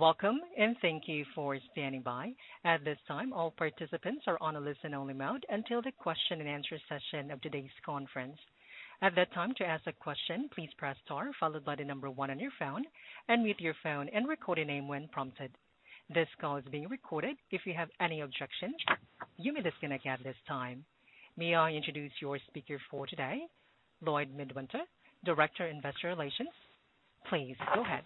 Welcome, and thank you for standing by. At this time, all participants are on a listen-only mode until the question and answer session of today's conference. At that time, to ask a question, please press star, followed by the number one on your phone, and mute your phone and record a name when prompted. This call is being recorded. If you have any objections, you may disconnect at this time. May I introduce your speaker for today, Lloyd Midwinter, Director, Investor Relations. Please go ahead.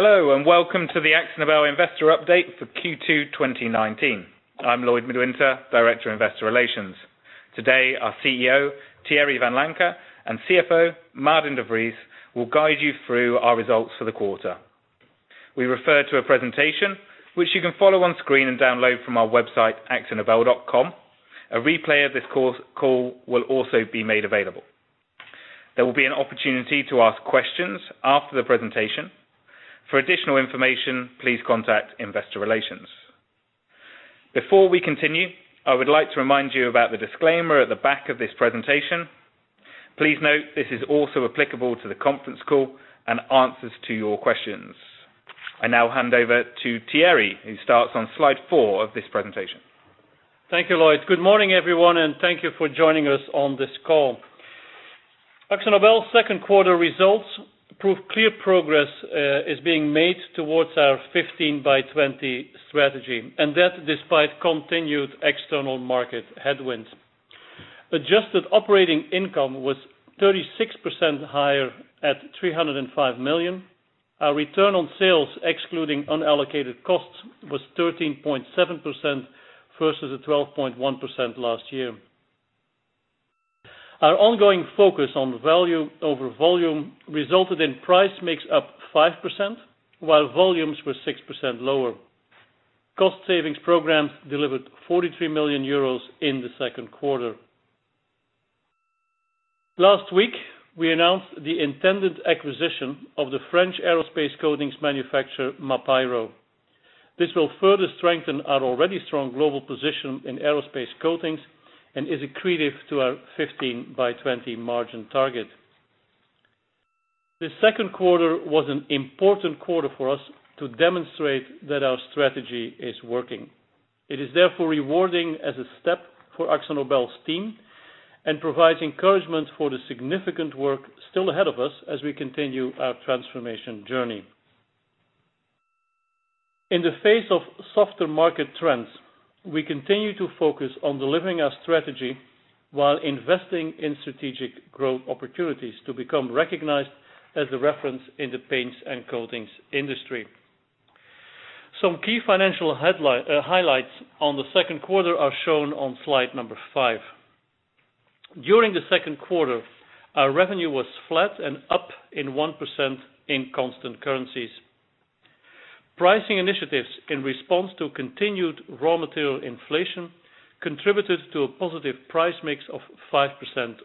Hello, welcome to the Akzo Nobel investor update for Q2 2019. I'm Lloyd Midwinter, Director, Investor Relations. Today, our CEO, Thierry Vanlancker, and CFO, Maarten de Vries, will guide you through our results for the quarter. We refer to a presentation which you can follow on screen and download from our website, akzonobel.com. A replay of this call will also be made available. There will be an opportunity to ask questions after the presentation. For additional information, please contact Investor Relations. Before we continue, I would like to remind you about the disclaimer at the back of this presentation. Please note this is also applicable to the conference call and answers to your questions. I now hand over to Thierry, who starts on slide four of this presentation. Thank you, Lloyd. Good morning, everyone, and thank you for joining us on this call. Akzo Nobel's second quarter results prove clear progress is being made towards our 15 by 20 strategy, and that despite continued external market headwinds. Adjusted operating income was 36% higher at 305 million. Our return on sales, excluding unallocated costs, was 13.7% versus the 12.1% last year. Our ongoing focus on value over volume resulted in price mix up 5%, while volumes were 6% lower. Cost savings programs delivered 43 million euros in the second quarter. Last week, we announced the intended acquisition of the French aerospace coatings manufacturer, Mapaero. This will further strengthen our already strong global position in aerospace coatings and is accretive to our 15 by 20 margin target. This second quarter was an important quarter for us to demonstrate that our strategy is working. It is therefore rewarding as a step for Akzo Nobel's team and provides encouragement for the significant work still ahead of us as we continue our transformation journey. In the face of softer market trends, we continue to focus on delivering our strategy while investing in strategic growth opportunities to become recognized as the reference in the paints and coatings industry. Some key financial highlights on the second quarter are shown on slide number five. During the second quarter, our revenue was flat and up 1% in constant currencies. Pricing initiatives in response to continued raw material inflation contributed to a positive price mix of 5%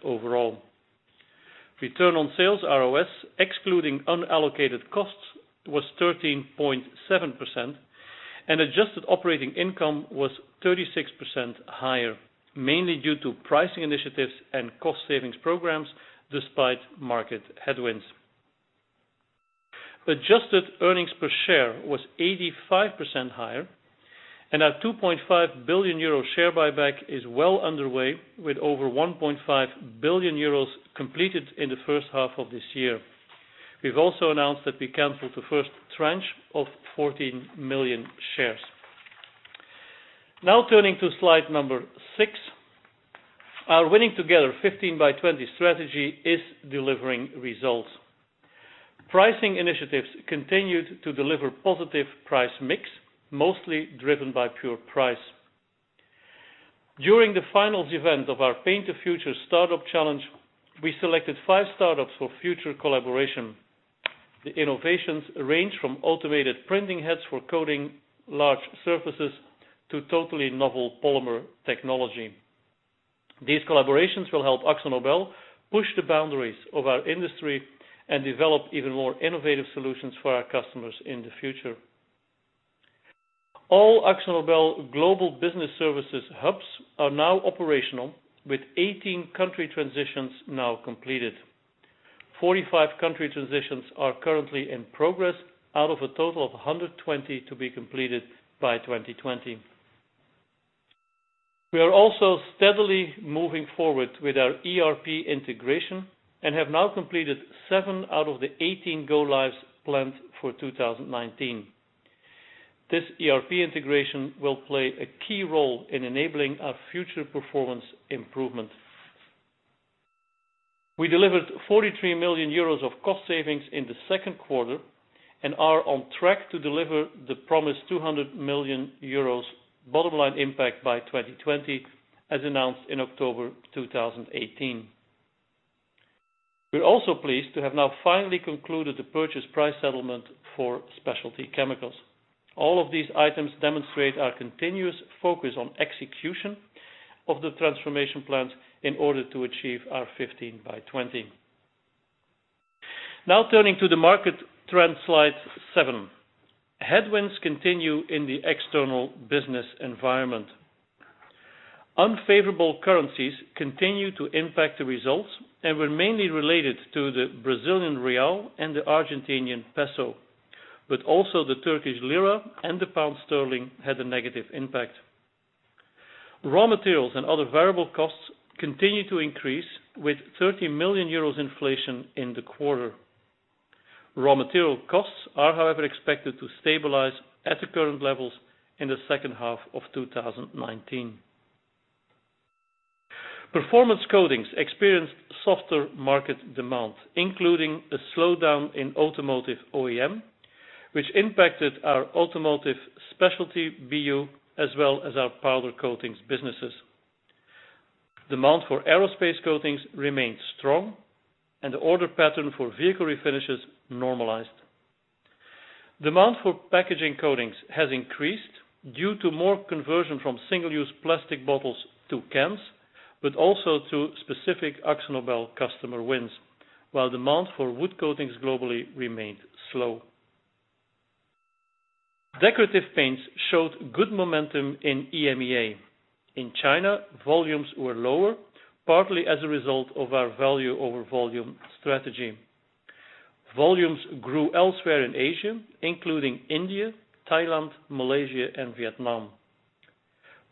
overall. Return on sales, ROS, excluding unallocated costs, was 13.7%. Adjusted operating income was 36% higher, mainly due to pricing initiatives and cost savings programs, despite market headwinds. Adjusted earnings per share was 85% higher. Our 2.5 billion euro share buyback is well underway, with over 1.5 billion euros completed in the first half of this year. We've also announced that we canceled the first tranche of 14 million shares. Turning to slide number six. Our winning together 15 by 20 strategy is delivering results. Pricing initiatives continued to deliver positive price mix, mostly driven by pure price. During the finals event of our Paint the Future Start-up Challenge, we selected five start-ups for future collaboration. The innovations range from automated printing heads for coating large surfaces to totally novel polymer technology. These collaborations will help Akzo Nobel push the boundaries of our industry and develop even more innovative solutions for our customers in the future. All Akzo Nobel global business services hubs are now operational, with 18 country transitions now completed. 45 country transitions are currently in progress out of a total of 120 to be completed by 2020. We are also steadily moving forward with our ERP integration and have now completed seven out of the 18 go lives planned for 2019. This ERP integration will play a key role in enabling our future performance improvements. We delivered 43 million euros of cost savings in the second quarter and are on track to deliver the promised 200 million euros bottom line impact by 2020, as announced in October 2018. We're also pleased to have now finally concluded the purchase price settlement for Specialty Chemicals. All of these items demonstrate our continuous focus on execution of the transformation plans in order to achieve our 15 by 20. Turning to the market trend, slide seven. Headwinds continue in the external business environment. Unfavorable currencies continue to impact the results and were mainly related to the Brazilian real and the Argentinian peso. Also the Turkish lira and the pound sterling had a negative impact. Raw materials and other variable costs continue to increase with 30 million euros inflation in the quarter. Raw material costs are, however, expected to stabilize at the current levels in the second half of 2019. Performance Coatings experienced softer market demand, including a slowdown in automotive OEM, which impacted our Automotive Specialty BU as well as our Powder Coatings businesses. Demand for aerospace coatings remained strong, and the order pattern for vehicle refinishes normalized. Demand for packaging coatings has increased due to more conversion from single-use plastic bottles to cans, but also to specific Akzo Nobel customer wins, while demand for wood coatings globally remained slow. Decorative Paints showed good momentum in EMEA. In China, volumes were lower, partly as a result of our value over volume strategy. Volumes grew elsewhere in Asia, including India, Thailand, Malaysia, and Vietnam.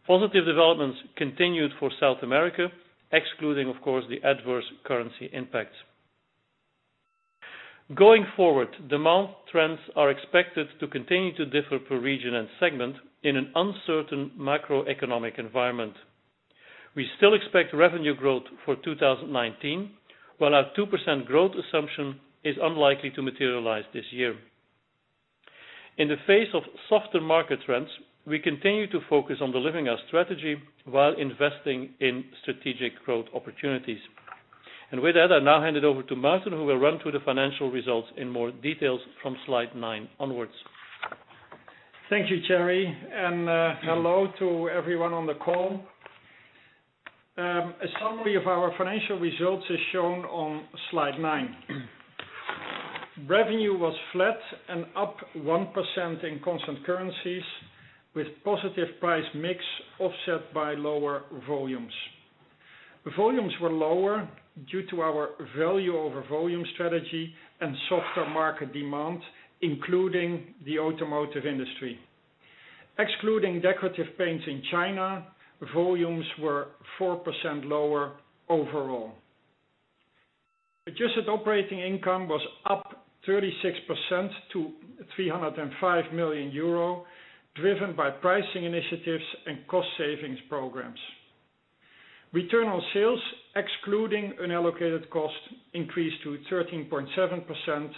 Positive developments continued for South America, excluding, of course, the adverse currency impact. Going forward, demand trends are expected to continue to differ per region and segment in an uncertain macroeconomic environment. We still expect revenue growth for 2019, while our 2% growth assumption is unlikely to materialize this year. In the face of softer market trends, we continue to focus on delivering our strategy while investing in strategic growth opportunities. With that, I now hand it over to Maarten, who will run through the financial results in more details from slide nine onwards. Thank you, Thierry, and hello to everyone on the call. A summary of our financial results is shown on slide nine. Revenue was flat and up 1% in constant currencies, with positive price mix offset by lower volumes. Volumes were lower due to our value over volume strategy and softer market demand, including the automotive industry. Excluding Decorative Paints in China, volumes were 4% lower overall. Adjusted operating income was up 36% to 305 million euro, driven by pricing initiatives and cost savings programs. Return on sales, excluding unallocated cost, increased to 13.7%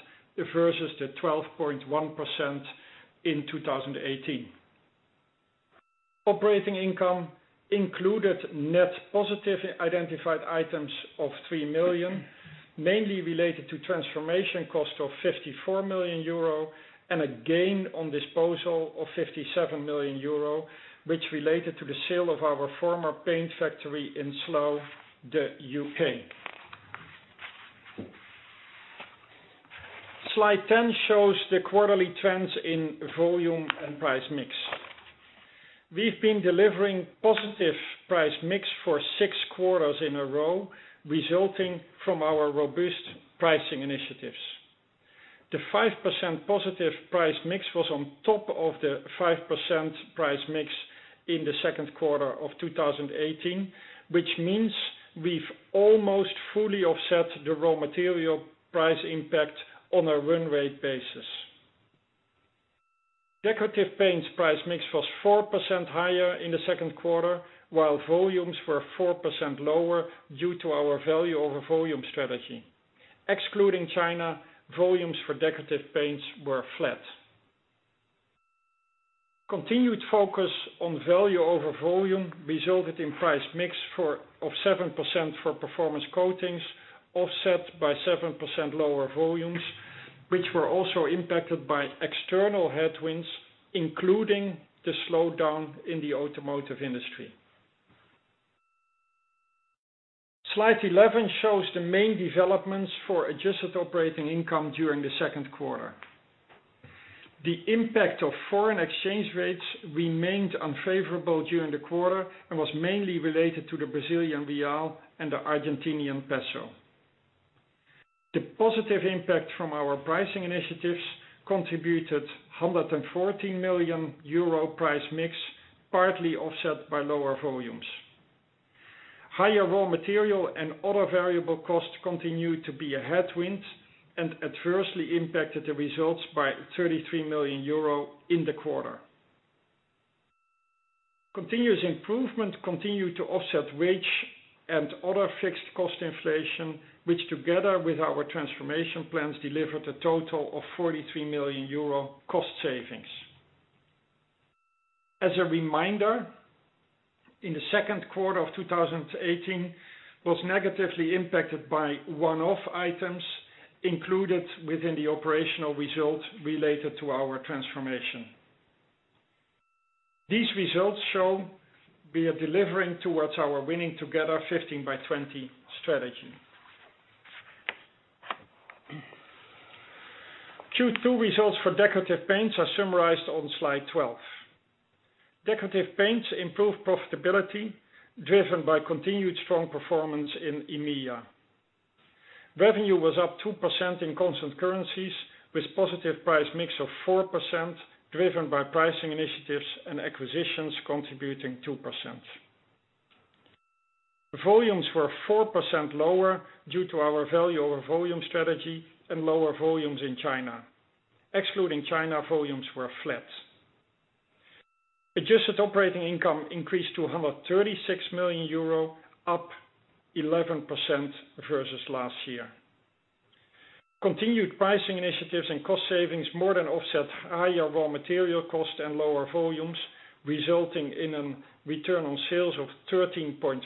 versus the 12.1% in 2018. Operating income included net positive identified items of 3 million, mainly related to transformation cost of 54 million euro and a gain on disposal of 57 million euro, which related to the sale of our former paint factory in Slough, the U.K. Slide 10 shows the quarterly trends in volume and price mix. We've been delivering positive price mix for six quarters in a row, resulting from our robust pricing initiatives. The 5% positive price mix was on top of the 5% price mix in the second quarter of 2018, which means we've almost fully offset the raw material price impact on a run rate basis. Decorative Paints price mix was 4% higher in the second quarter, while volumes were 4% lower due to our value over volume strategy. Excluding China, volumes for Decorative Paints were flat. Continued focus on value over volume resulted in price mix of 7% for Performance Coatings offset by 7% lower volumes, which were also impacted by external headwinds, including the slowdown in the automotive industry. Slide 11 shows the main developments for adjusted operating income during the second quarter. The impact of foreign exchange rates remained unfavorable during the quarter and was mainly related to the Brazilian real and the Argentinian peso. The positive impact from our pricing initiatives contributed 114 million euro price mix, partly offset by lower volumes. Higher raw material and other variable costs continued to be a headwind and adversely impacted the results by 33 million euro in the quarter. Continuous improvement continued to offset wage and other fixed cost inflation, which together with our transformation plans, delivered a total of 43 million euro cost savings. As a reminder, in the second quarter of 2018, was negatively impacted by one-off items included within the operational results related to our transformation. These results show we are delivering towards our Winning together 15 by 20 strategy. Q2 results for Decorative Paints are summarized on slide 12. Decorative Paints improved profitability driven by continued strong performance in EMEA. Revenue was up 2% in constant currencies with positive price mix of 4%, driven by pricing initiatives and acquisitions contributing 2%. Volumes were 4% lower due to our value over volume strategy and lower volumes in China. Excluding China, volumes were flat. Adjusted operating income increased to 136 million euro, up 11% versus last year. Continued pricing initiatives and cost savings more than offset higher raw material costs and lower volumes, resulting in a return on sales of 13.5%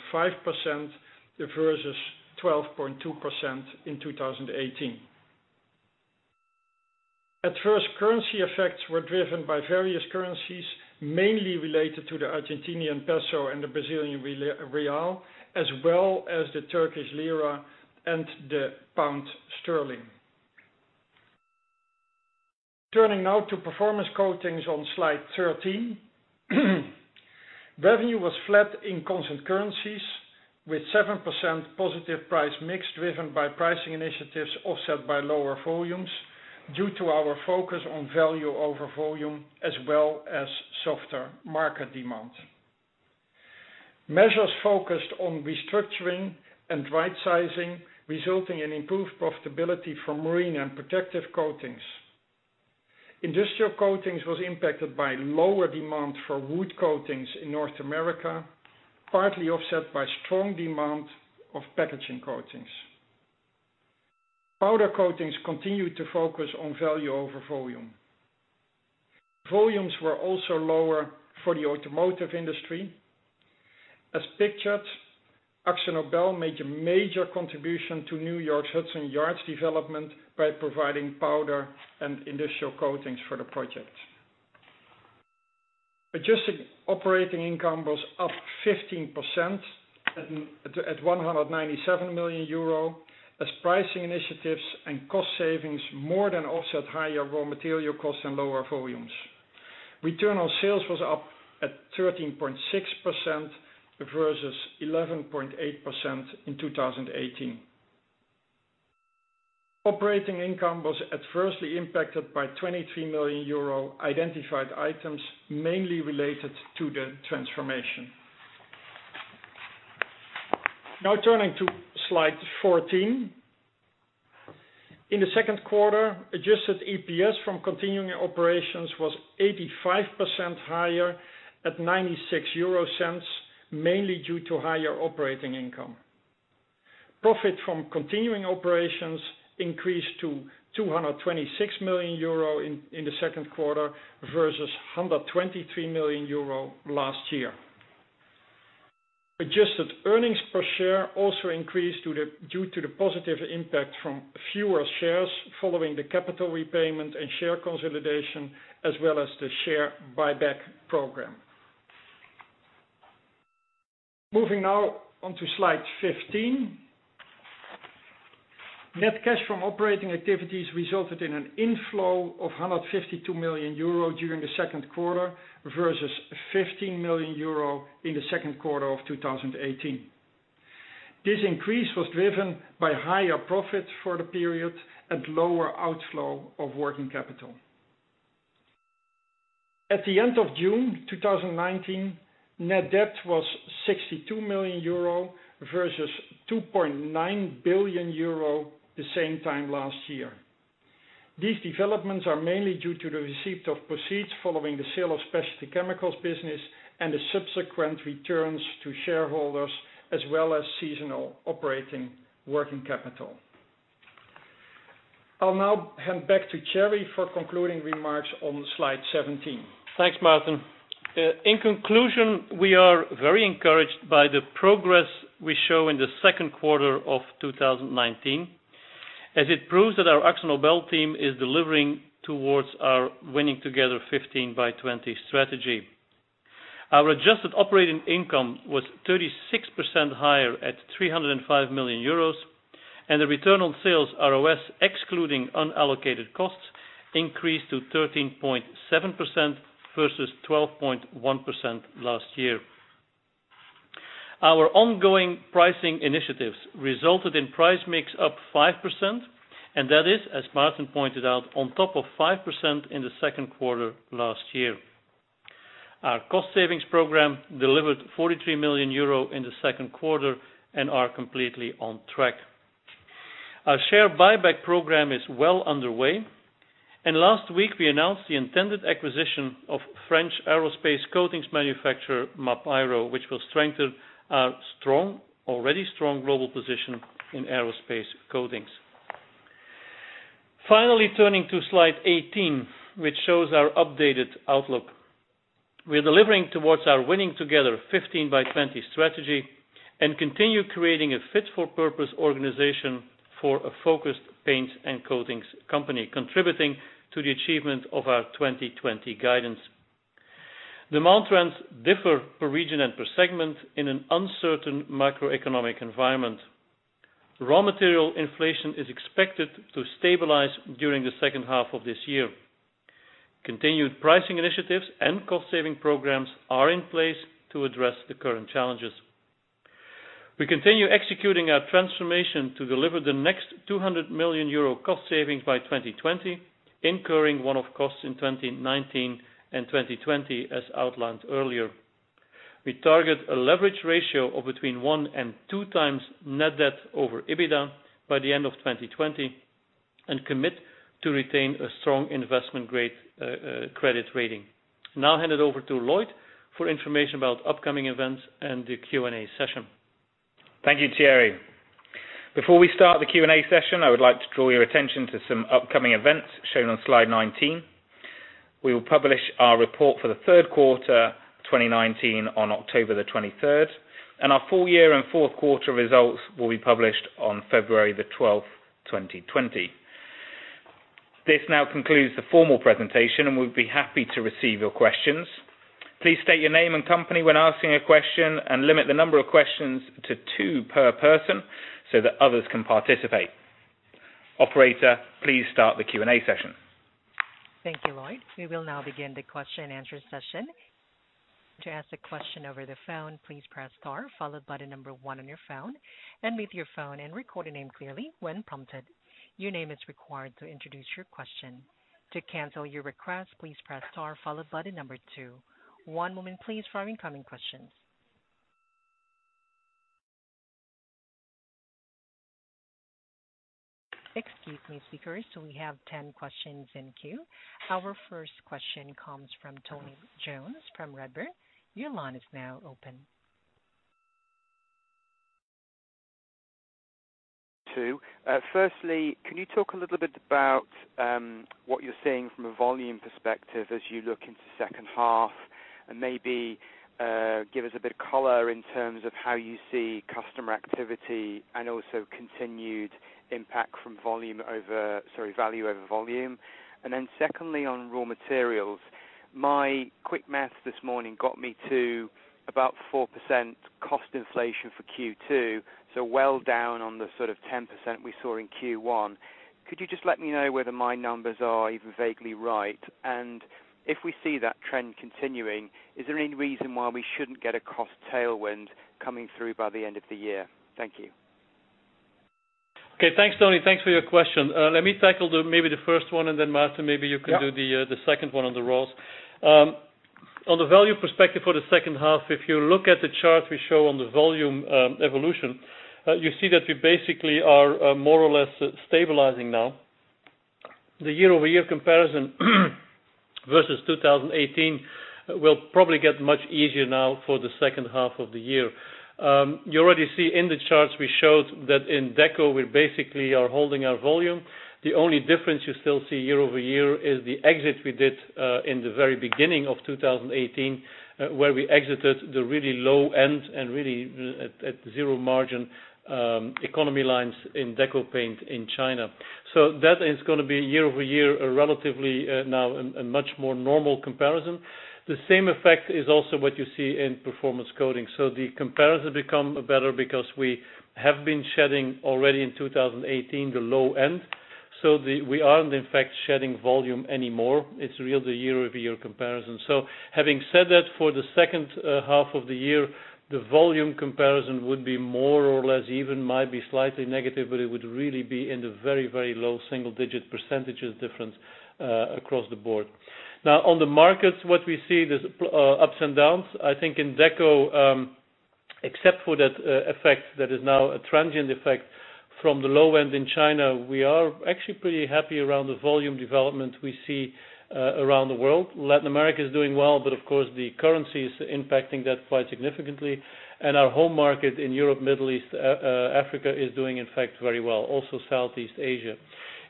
versus 12.2% in 2018. Adverse currency effects were driven by various currencies, mainly related to the Argentinian peso and the Brazilian real, as well as the Turkish lira and the pound sterling. Turning now to Performance Coatings on Slide 13. Revenue was flat in constant currencies with 7% positive price mix driven by pricing initiatives offset by lower volumes due to our focus on value over volume as well as softer market demand. Measures focused on restructuring and right sizing, resulting in improved profitability for Marine and Protective Coatings. Industrial coatings was impacted by lower demand for wood coatings in North America, partly offset by strong demand of packaging coatings. Powder Coatings continued to focus on value over volume. Volumes were also lower for the automotive industry. As pictured, Akzo Nobel made a major contribution to New York's Hudson Yards development by providing powder and industrial coatings for the project. Adjusted operating income was up 15% at 197 million euro as pricing initiatives and cost savings more than offset higher raw material costs and lower volumes. Return on sales was up at 13.6% versus 11.8% in 2018. Operating income was adversely impacted by 23 million euro identified items, mainly related to the transformation. Now turning to slide 14. In the second quarter, adjusted EPS from continuing operations was 85% higher at 0.96, mainly due to higher operating income. Profit from continuing operations increased to 226 million euro in the second quarter versus 123 million euro last year. Adjusted earnings per share also increased due to the positive impact from fewer shares following the capital repayment and share consolidation, as well as the share buyback program. Moving now on to slide 15. Net cash from operating activities resulted in an inflow of 152 million euro during the second quarter versus 15 million euro in the second quarter of 2018. This increase was driven by higher profits for the period and lower outflow of working capital. At the end of June 2019, net debt was 62 million euro versus 2.9 billion euro the same time last year. These developments are mainly due to the receipt of proceeds following the sale of specialty chemicals business and the subsequent returns to shareholders, as well as seasonal operating working capital. I'll now hand back to Thierry for concluding remarks on slide 17. Thanks, Maarten. In conclusion, we are very encouraged by the progress we show in the second quarter of 2019, as it proves that our Akzo Nobel team is delivering towards our Winning together 15 by '20 strategy. Our adjusted operating income was 36% higher at 305 million euros. The return on sales, ROS, excluding unallocated costs, increased to 13.7% versus 12.1% last year. Our ongoing pricing initiatives resulted in price mix up 5%. That is, as Maarten pointed out, on top of 5% in the second quarter last year. Our cost savings program delivered 43 million euro in the second quarter and are completely on track. Our share buyback program is well underway. Last week we announced the intended acquisition of French aerospace coatings manufacturer, Mapaero, which will strengthen our already strong global position in aerospace coatings. Finally turning to slide 18, which shows our updated outlook. We are delivering towards our Winning together 15 by 20 strategy and continue creating a fit-for-purpose organization for a focused paints and coatings company, contributing to the achievement of our 2020 guidance. Demand trends differ per region and per segment in an uncertain macroeconomic environment. Raw material inflation is expected to stabilize during the second half of this year. Continued pricing initiatives and cost-saving programs are in place to address the current challenges. We continue executing our transformation to deliver the next 200 million euro cost savings by 2020, incurring one-off costs in 2019 and 2020, as outlined earlier. We target a leverage ratio of between one and two times net debt over EBITDA by the end of 2020 and commit to retain a strong investment-grade credit rating. Now I hand it over to Lloyd for information about upcoming events and the Q&A session. Thank you, Thierry. Before we start the Q&A session, I would like to draw your attention to some upcoming events shown on slide 19. We will publish our report for the third quarter 2019 on October the 23rd, and our full year and fourth-quarter results will be published on February the 12th, 2020. This now concludes the formal presentation, and we'd be happy to receive your questions. Please state your name and company when asking a question and limit the number of questions to two per person so that others can participate. Operator, please start the Q&A session. Thank you, Lloyd. We will now begin the question and answer session. To ask a question over the phone, please press star followed by the number one on your phone and mute your phone and record your name clearly when prompted. Your name is required to introduce your question. To cancel your request, please press star followed by the number two. One moment please for our incoming questions. Excuse me, speakers. We have 10 questions in queue. Our first question comes from Tony Jones from Redburn. Your line is now open. Two. Firstly, can you talk a little bit about what you're seeing from a volume perspective as you look into second half and maybe give us a bit of color in terms of how you see customer activity and also continued impact from value over volume. Secondly, on raw materials, my quick math this morning got me to about 4% cost inflation for Q2, so well down on the sort of 10% we saw in Q1. Could you just let me know whether my numbers are even vaguely right? If we see that trend continuing, is there any reason why we shouldn't get a cost tailwind coming through by the end of the year? Thank you. Okay. Thanks, Tony. Thanks for your question. Let me tackle maybe the first one, and then Maarten, maybe you can do the second one on the raws. On the value perspective for the second half, if you look at the chart we show on the volume evolution, you see that we basically are more or less stabilizing now. The year-over-year comparison versus 2018 will probably get much easier now for the second half of the year. You already see in the charts we showed that in Deco, we basically are holding our volume. The only difference you still see year-over-year is the exit we did in the very beginning of 2018, where we exited the really low end and really at zero margin economy lines in Deco paint in China. That is going to be year-over-year, relatively now a much more normal comparison. The same effect is also what you see in Performance Coatings. The comparison become better because we have been shedding already in 2018 the low end. We aren't in fact shedding volume anymore. It's really the year-over-year comparison. Having said that, for the second half of the year, the volume comparison would be more or less even, might be slightly negative, but it would really be in the very low single-digit % difference across the board. Now, on the markets, what we see, there's ups and downs. I think in Deco, except for that effect, that is now a transient effect from the low end in China. We are actually pretty happy around the volume development we see around the world. Latin America is doing well, but of course the currency is impacting that quite significantly. Our home market in Europe, Middle East, Africa is doing in fact very well. Also Southeast Asia.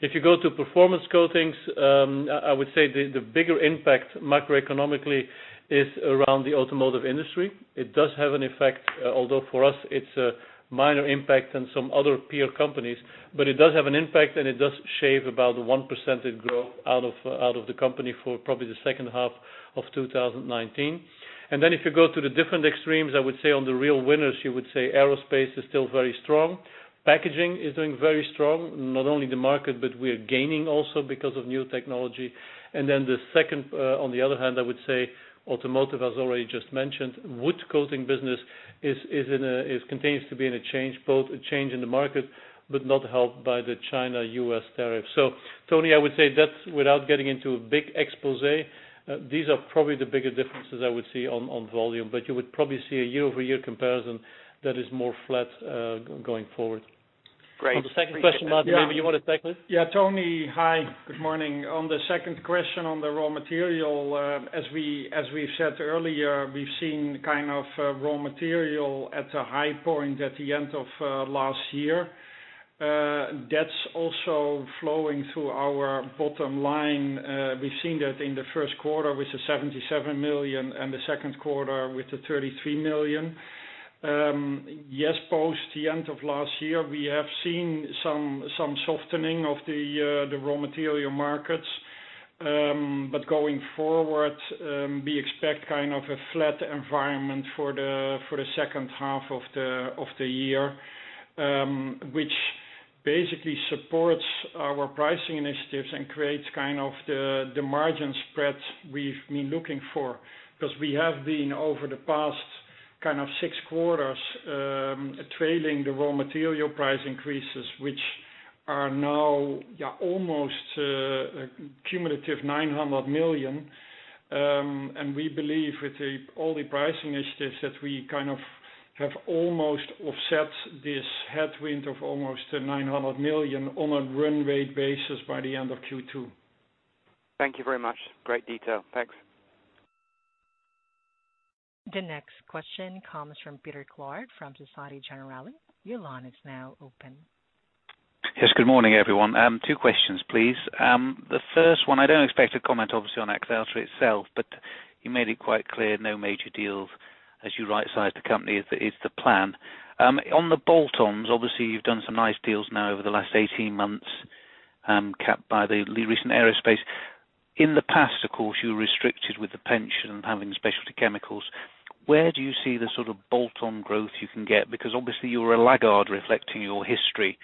If you go to Performance Coatings, I would say the bigger impact macroeconomically is around the automotive industry. It does have an effect, although for us it's a minor impact than some other peer companies, but it does have an impact, and it does shave about 1% of growth out of the company for probably the second half of 2019. If you go to the different extremes, I would say on the real winners, you would say aerospace is still very strong. Packaging is doing very strong, not only the market, but we're gaining also because of new technology. The second, on the other hand, I would say automotive, as already just mentioned, wood coating business continues to be in a change, both a change in the market, not helped by the China-U.S. tariff. Tony, I would say that without getting into a big expose, these are probably the bigger differences I would see on volume. You would probably see a year-over-year comparison that is more flat going forward. Great. On the second question, Maarten, maybe you want to take this? Yeah, Tony. Hi. Good morning. On the second question on the raw material, as we've said earlier, we've seen kind of raw material at a high point at the end of last year. That's also flowing through our bottom line. We've seen that in the first quarter with the 77 million and the second quarter with the 33 million. Yes, post the end of last year, we have seen some softening of the raw material markets. Going forward, we expect kind of a flat environment for the second half of the year, which basically supports our pricing initiatives and creates kind of the margin spreads we've been looking for. We have been, over the past six quarters, trailing the raw material price increases, which are now almost a cumulative 900 million. We believe with all the pricing initiatives that we kind of have almost offset this headwind of almost 900 million on a run rate basis by the end of Q2. Thank you very much. Great detail. Thanks. The next question comes from Peter Clark from Société Générale. Your line is now open. Yes, good morning, everyone. Two questions, please. The first one, I don't expect a comment, obviously, on Axalta itself. You made it quite clear, no major deals as you right-size the company is the plan. On the bolt-ons, obviously, you've done some nice deals now over the last 18 months, capped by the recent aerospace. In the past, of course, you were restricted with the pension and having specialty chemicals. Where do you see the sort of bolt-on growth you can get? Obviously you're a laggard reflecting your history,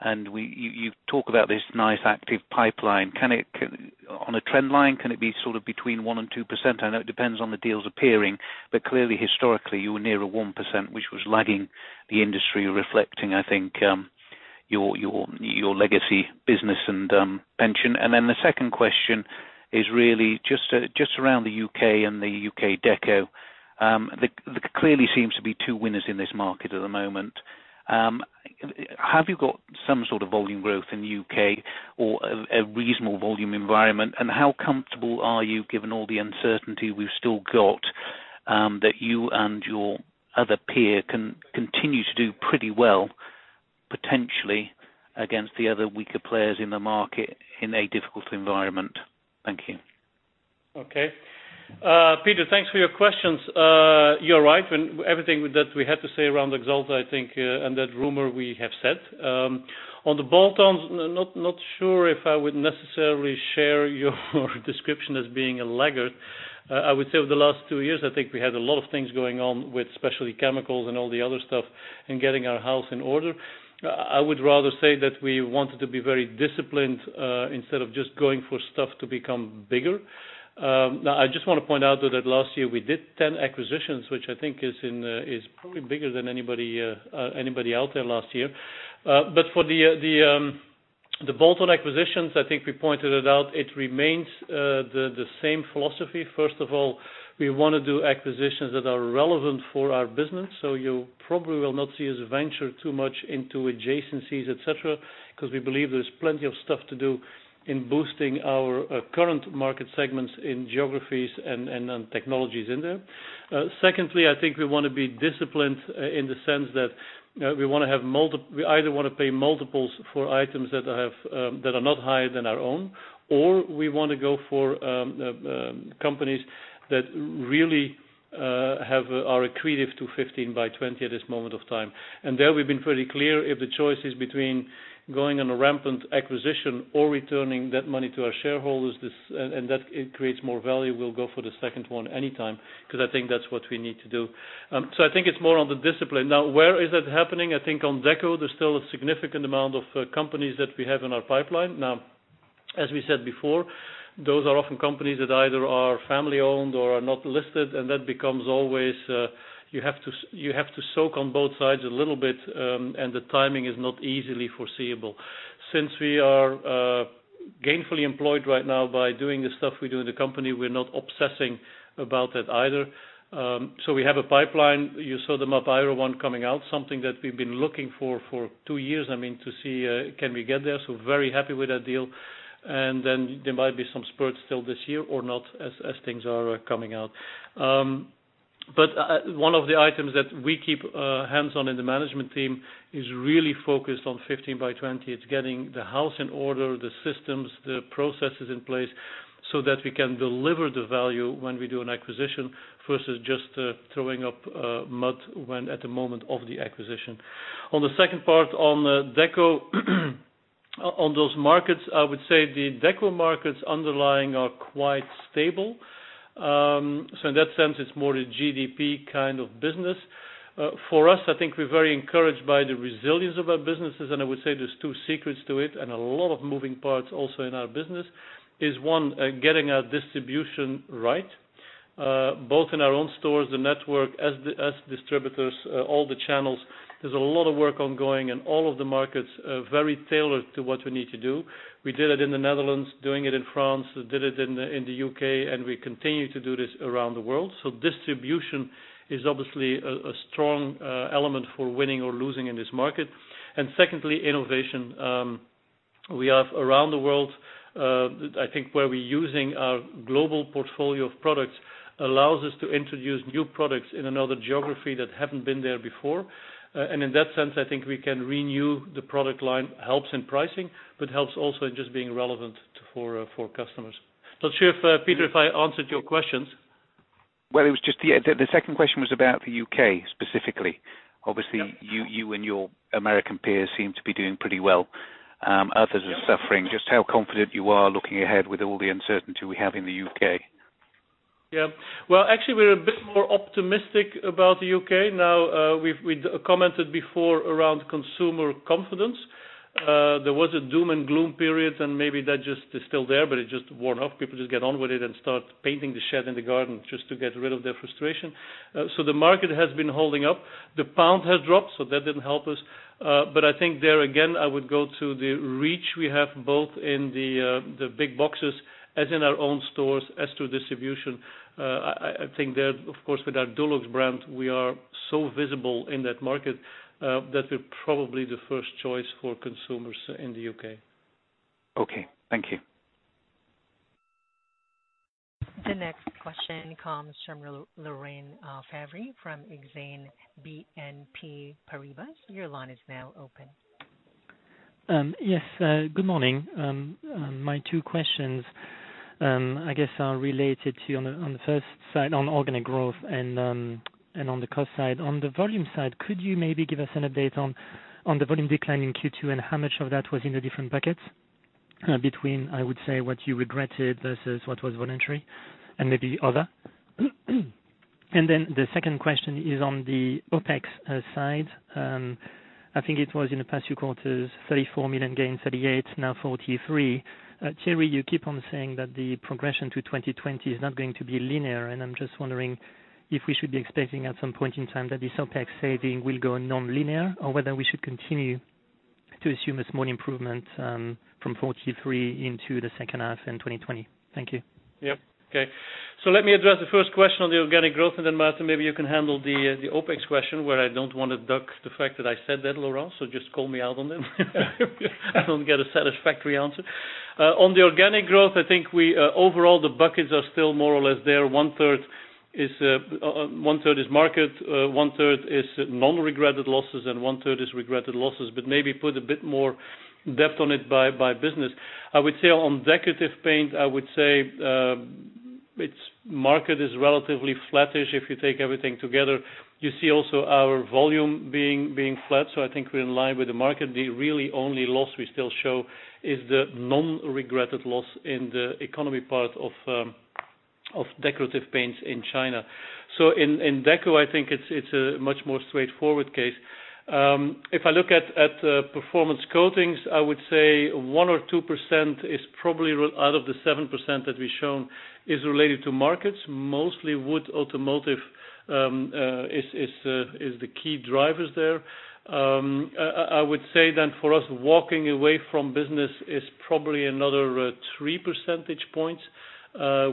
and you talk about this nice active pipeline. On a trend line, can it be sort of between 1% and 2%? I know it depends on the deals appearing. Clearly historically you were near a 1%, which was lagging the industry reflecting, I think, your legacy business and pension. The second question is really just around the U.K. and the U.K. Deco. There clearly seems to be two winners in this market at the moment. Have you got some sort of volume growth in the U.K. or a reasonable volume environment? How comfortable are you, given all the uncertainty we've still got, that you and your other peer can continue to do pretty well potentially against the other weaker players in the market in a difficult environment? Thank you. Okay. Peter, thanks for your questions. You're right. Everything that we had to say around Axalta, I think, and that rumor we have said. On the bolt-ons, not sure if I would necessarily share your description as being a laggard. I would say over the last two years, I think we had a lot of things going on with specialty chemicals and all the other stuff and getting our house in order. I would rather say that we wanted to be very disciplined instead of just going for stuff to become bigger. Now, I just want to point out, though, that last year we did 10 acquisitions, which I think is probably bigger than anybody out there last year. For the bolt-on acquisitions, I think we pointed it out, it remains the same philosophy. First of all, we want to do acquisitions that are relevant for our business. You probably will not see us venture too much into adjacencies, et cetera, because we believe there's plenty of stuff to do in boosting our current market segments in geographies and technologies in there. Secondly, I think we want to be disciplined in the sense that we either want to pay multiples for items that are not higher than our own, or we want to go for companies that really are accretive to 15 by 20 at this moment of time. There we've been pretty clear if the choice is between going on a rampant acquisition or returning that money to our shareholders, and that it creates more value, we'll go for the second one anytime, because I think that's what we need to do. I think it's more on the discipline. Now, where is that happening? I think on Deco, there's still a significant amount of companies that we have in our pipeline. Now, as we said before, those are often companies that either are family owned or are not listed, and that becomes always, you have to soak on both sides a little bit, and the timing is not easily foreseeable. Since we are gainfully employed right now by doing the stuff we do in the company, we're not obsessing about that either. We have a pipeline. You saw the Mapaero one coming out, something that we've been looking for two years, I mean, to see can we get there. Very happy with that deal. There might be some spurts still this year or not as things are coming out. One of the items that we keep hands on in the management team is really focused on 15 by 20. It's getting the house in order, the systems, the processes in place so that we can deliver the value when we do an acquisition versus just throwing up mud at the moment of the acquisition. On the second part on Deco, on those markets, I would say the Deco markets underlying are quite stable. In that sense, it's more a GDP kind of business. For us, I think we're very encouraged by the resilience of our businesses, and I would say there's two secrets to it and a lot of moving parts also in our business is one, getting our distribution right, both in our own stores, the network, as distributors, all the channels. There's a lot of work ongoing in all of the markets, very tailored to what we need to do. We did it in the Netherlands, doing it in France, did it in the U.K., we continue to do this around the world. Distribution is obviously a strong element for winning or losing in this market. Secondly, innovation. We have around the world, I think where we're using our global portfolio of products allows us to introduce new products in another geography that haven't been there before. In that sense, I think we can renew the product line, helps in pricing, helps also in just being relevant for customers. Not sure, Peter, if I answered your questions. Well, the second question was about the U.K. specifically. Obviously, you and your American peers seem to be doing pretty well. Others are suffering. Just how confident you are looking ahead with all the uncertainty we have in the U.K.? Well, actually, we're a bit more optimistic about the U.K. now. We've commented before around consumer confidence. There was a doom and gloom period, and maybe that just is still there, but it just worn off. People just get on with it and start painting the shed in the garden just to get rid of their frustration. The market has been holding up. The pound has dropped, so that didn't help us. I think there again, I would go to the reach we have both in the big boxes as in our own stores as to distribution. I think there, of course, with our Dulux brand, we are so visible in that market, that we're probably the first choice for consumers in the U.K. Okay. Thank you. The next question comes from Laurent Favre from Exane BNP Paribas. Your line is now open. Yes. Good morning. My two questions, I guess are related to, on the first side, on organic growth and on the cost side. On the volume side, could you maybe give us an update on the volume decline in Q2 and how much of that was in the different buckets between, I would say, what you regretted versus what was voluntary and maybe other? The second question is on the OpEx side. I think it was in the past two quarters, 34 million gains, 38, now 43. Thierry, you keep on saying that the progression to 2020 is not going to be linear, and I'm just wondering if we should be expecting at some point in time that this OpEx saving will go nonlinear, or whether we should continue to assume a small improvement from 43 into the second half in 2020. Thank you. Yep. Okay. Let me address the first question on the organic growth, and then Maarten, maybe you can handle the OpEx question, where I don't want to duck the fact that I said that, Laurent. Just call me out on them if I don't get a satisfactory answer. On the organic growth, I think overall, the buckets are still more or less there. One-third is market, one-third is non-regretted losses, and one-third is regretted losses. Maybe put a bit more depth on it by business. I would say on Decorative Paints, I would say, its market is relatively flattish if you take everything together. You see also our volume being flat, so I think we're in line with the market. The really only loss we still show is the non-regretted loss in the economy part of Decorative Paints in China. In deco, I think it's a much more straightforward case. If I look at Performance Coatings, I would say 1% or 2% is probably out of the 7% that we've shown is related to markets. Mostly wood automotive is the key drivers there. I would say for us, walking away from business is probably another three percentage points,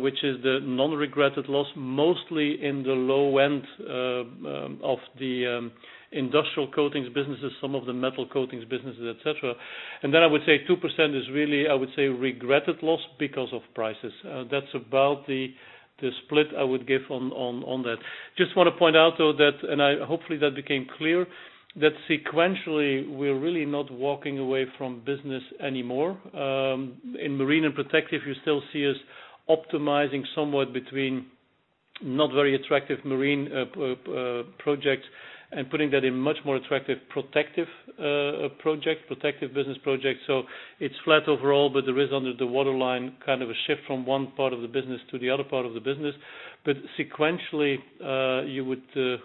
which is the non-regretted loss, mostly in the low end of the industrial coatings businesses, some of the metal coatings businesses, et cetera. I would say 2% is really, I would say, regretted loss because of prices. That's about the split I would give on that. Just want to point out, though, and hopefully that became clear, that sequentially, we're really not walking away from business anymore. In Marine and Protective, you still see us optimizing somewhat between not very attractive marine projects and putting that in much more attractive protective business projects. It's flat overall, but there is under the waterline kind of a shift from one part of the business to the other part of the business. Sequentially,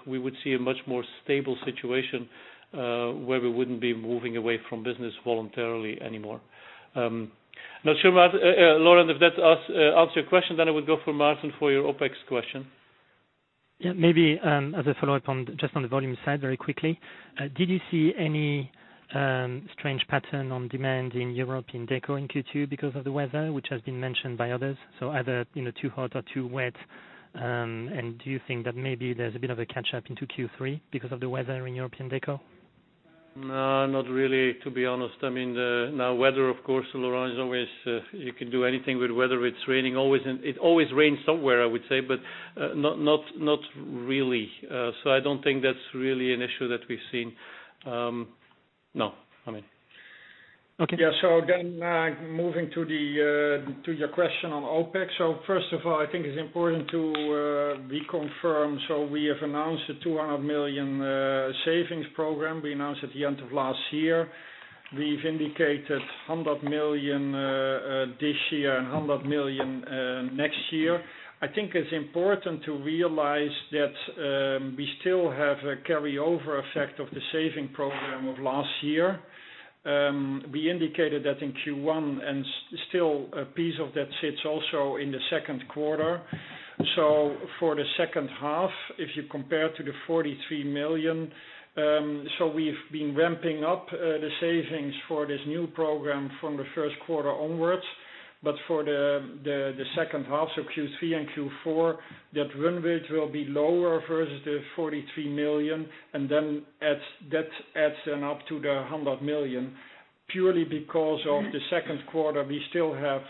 we would see a much more stable situation, where we wouldn't be moving away from business voluntarily anymore. Not sure, Laurent, if that answered your question, then I would go for Maarten for your OpEx question. Yeah, maybe as a follow-up just on the volume side very quickly. Did you see any strange pattern on demand in European deco in Q2 because of the weather, which has been mentioned by others, so either too hot or too wet? Do you think that maybe there's a bit of a catch-up into Q3 because of the weather in European deco? No, not really, to be honest. Now weather, of course, Laurent, you can do anything with weather. It always rains somewhere, I would say, but not really. I don't think that's really an issue that we've seen. No. Okay. Yeah. Moving to your question on OpEx. First of all, I think it's important to reconfirm. We have announced a 200 million savings program. We announced at the end of last year. We've indicated 100 million this year and 100 million next year. I think it's important to realize that we still have a carryover effect of the saving program of last year. We indicated that in Q1, and still a piece of that sits also in the second quarter. For the second half, if you compare to the 43 million, so we've been ramping up the savings for this new program from the first quarter onwards. For the second half, Q3 and Q4, that run rate will be lower versus the 43 million, that adds up to the 100 million purely because of the second quarter. We still have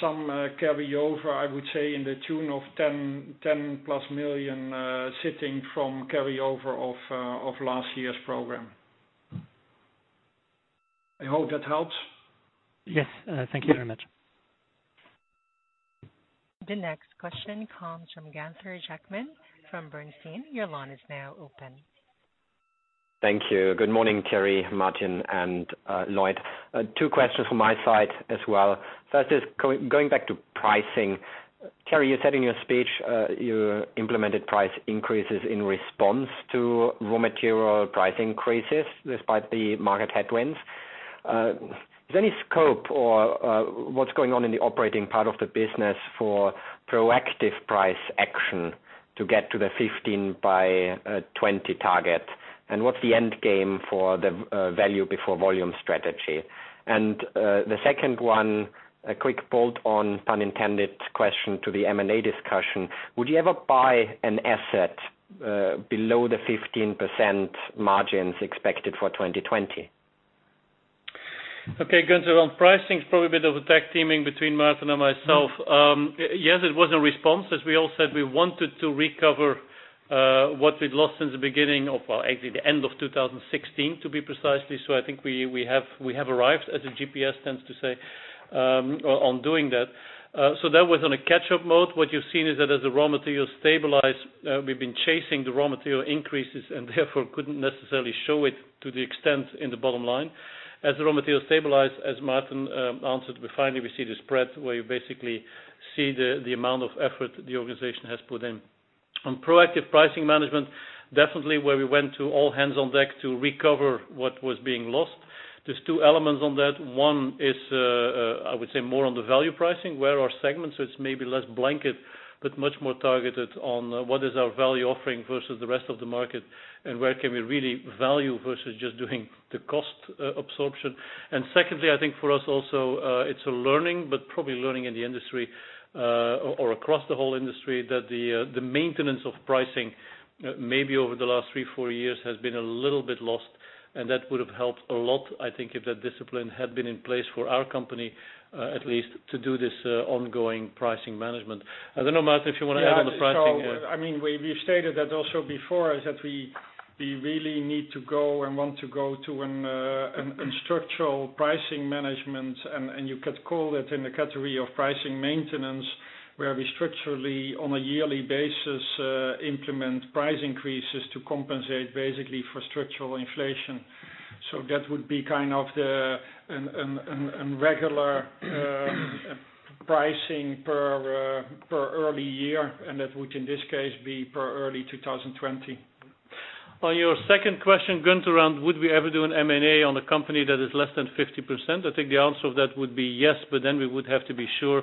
some carryover, I would say in the tune of 10-plus million sitting from carryover of last year's program. I hope that helps. Yes. Thank you very much. The next question comes from Gunther Zechmann from Bernstein. Your line is now open. Thank you. Good morning, Thierry, Maarten, and Lloyd. Two questions from my side as well. First is going back to pricing. Thierry, you said in your speech you implemented price increases in response to raw material price increases despite the market headwinds. Is there any scope or what's going on in the operating part of the business for proactive price action to get to the 15 by 20 target? What's the end game for the value over volume strategy? The second one, a quick bolt-on, pun intended, question to the M&A discussion. Would you ever buy an asset below the 15% margins expected for 2020? Gunther, on pricing, it's probably a bit of a tag teaming between Maarten and myself. It was a response, as we all said, we wanted to recover what we'd lost since the beginning of, well, actually the end of 2016, to be precisely. I think we have arrived, as the GPS tends to say, on doing that. That was on a catch-up mode. What you've seen is that as the raw materials stabilized, we've been chasing the raw material increases and therefore couldn't necessarily show it to the extent in the bottom line. As the raw material stabilized, as Maarten answered, finally we see the spread where you basically see the amount of effort the organization has put in. On proactive pricing management, definitely where we went to all hands on deck to recover what was being lost. There's two elements on that. One is, I would say more on the value pricing, where our segment is maybe less blanket, but much more targeted on what is our value offering versus the rest of the market, and where can we really value versus just doing the cost absorption. Secondly, I think for us also, it's a learning, but probably learning in the industry or across the whole industry, that the maintenance of pricing, maybe over the last three, four years, has been a little bit lost, and that would have helped a lot, I think if that discipline had been in place for our company at least to do this ongoing pricing management. I don't know, Maarten, if you want to add on the pricing. Yeah, I think so. We stated that also before, is that we really need to go and want to go to a structural pricing management, and you could call it in the category of pricing maintenance, where we structurally, on a yearly basis, implement price increases to compensate basically for structural inflation. That would be kind of the regular pricing per early year, and that would, in this case, be per early 2020. On your second question, Gunther, would we ever do an M&A on a company that is less than 15%? I think the answer to that would be yes, but then we would have to be sure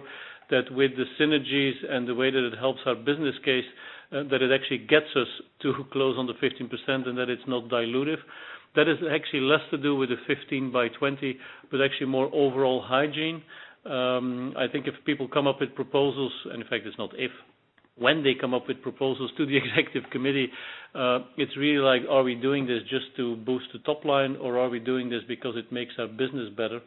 that with the synergies and the way that it helps our business case, that it actually gets us to close on the 15% and that it's not dilutive. That is actually less to do with the 15 by 20, but actually more overall hygiene. I think if people come up with proposals, and in fact, it's not if, when they come up with proposals to the executive committee, it's really like, are we doing this just to boost the top line or are we doing this because it makes our business better?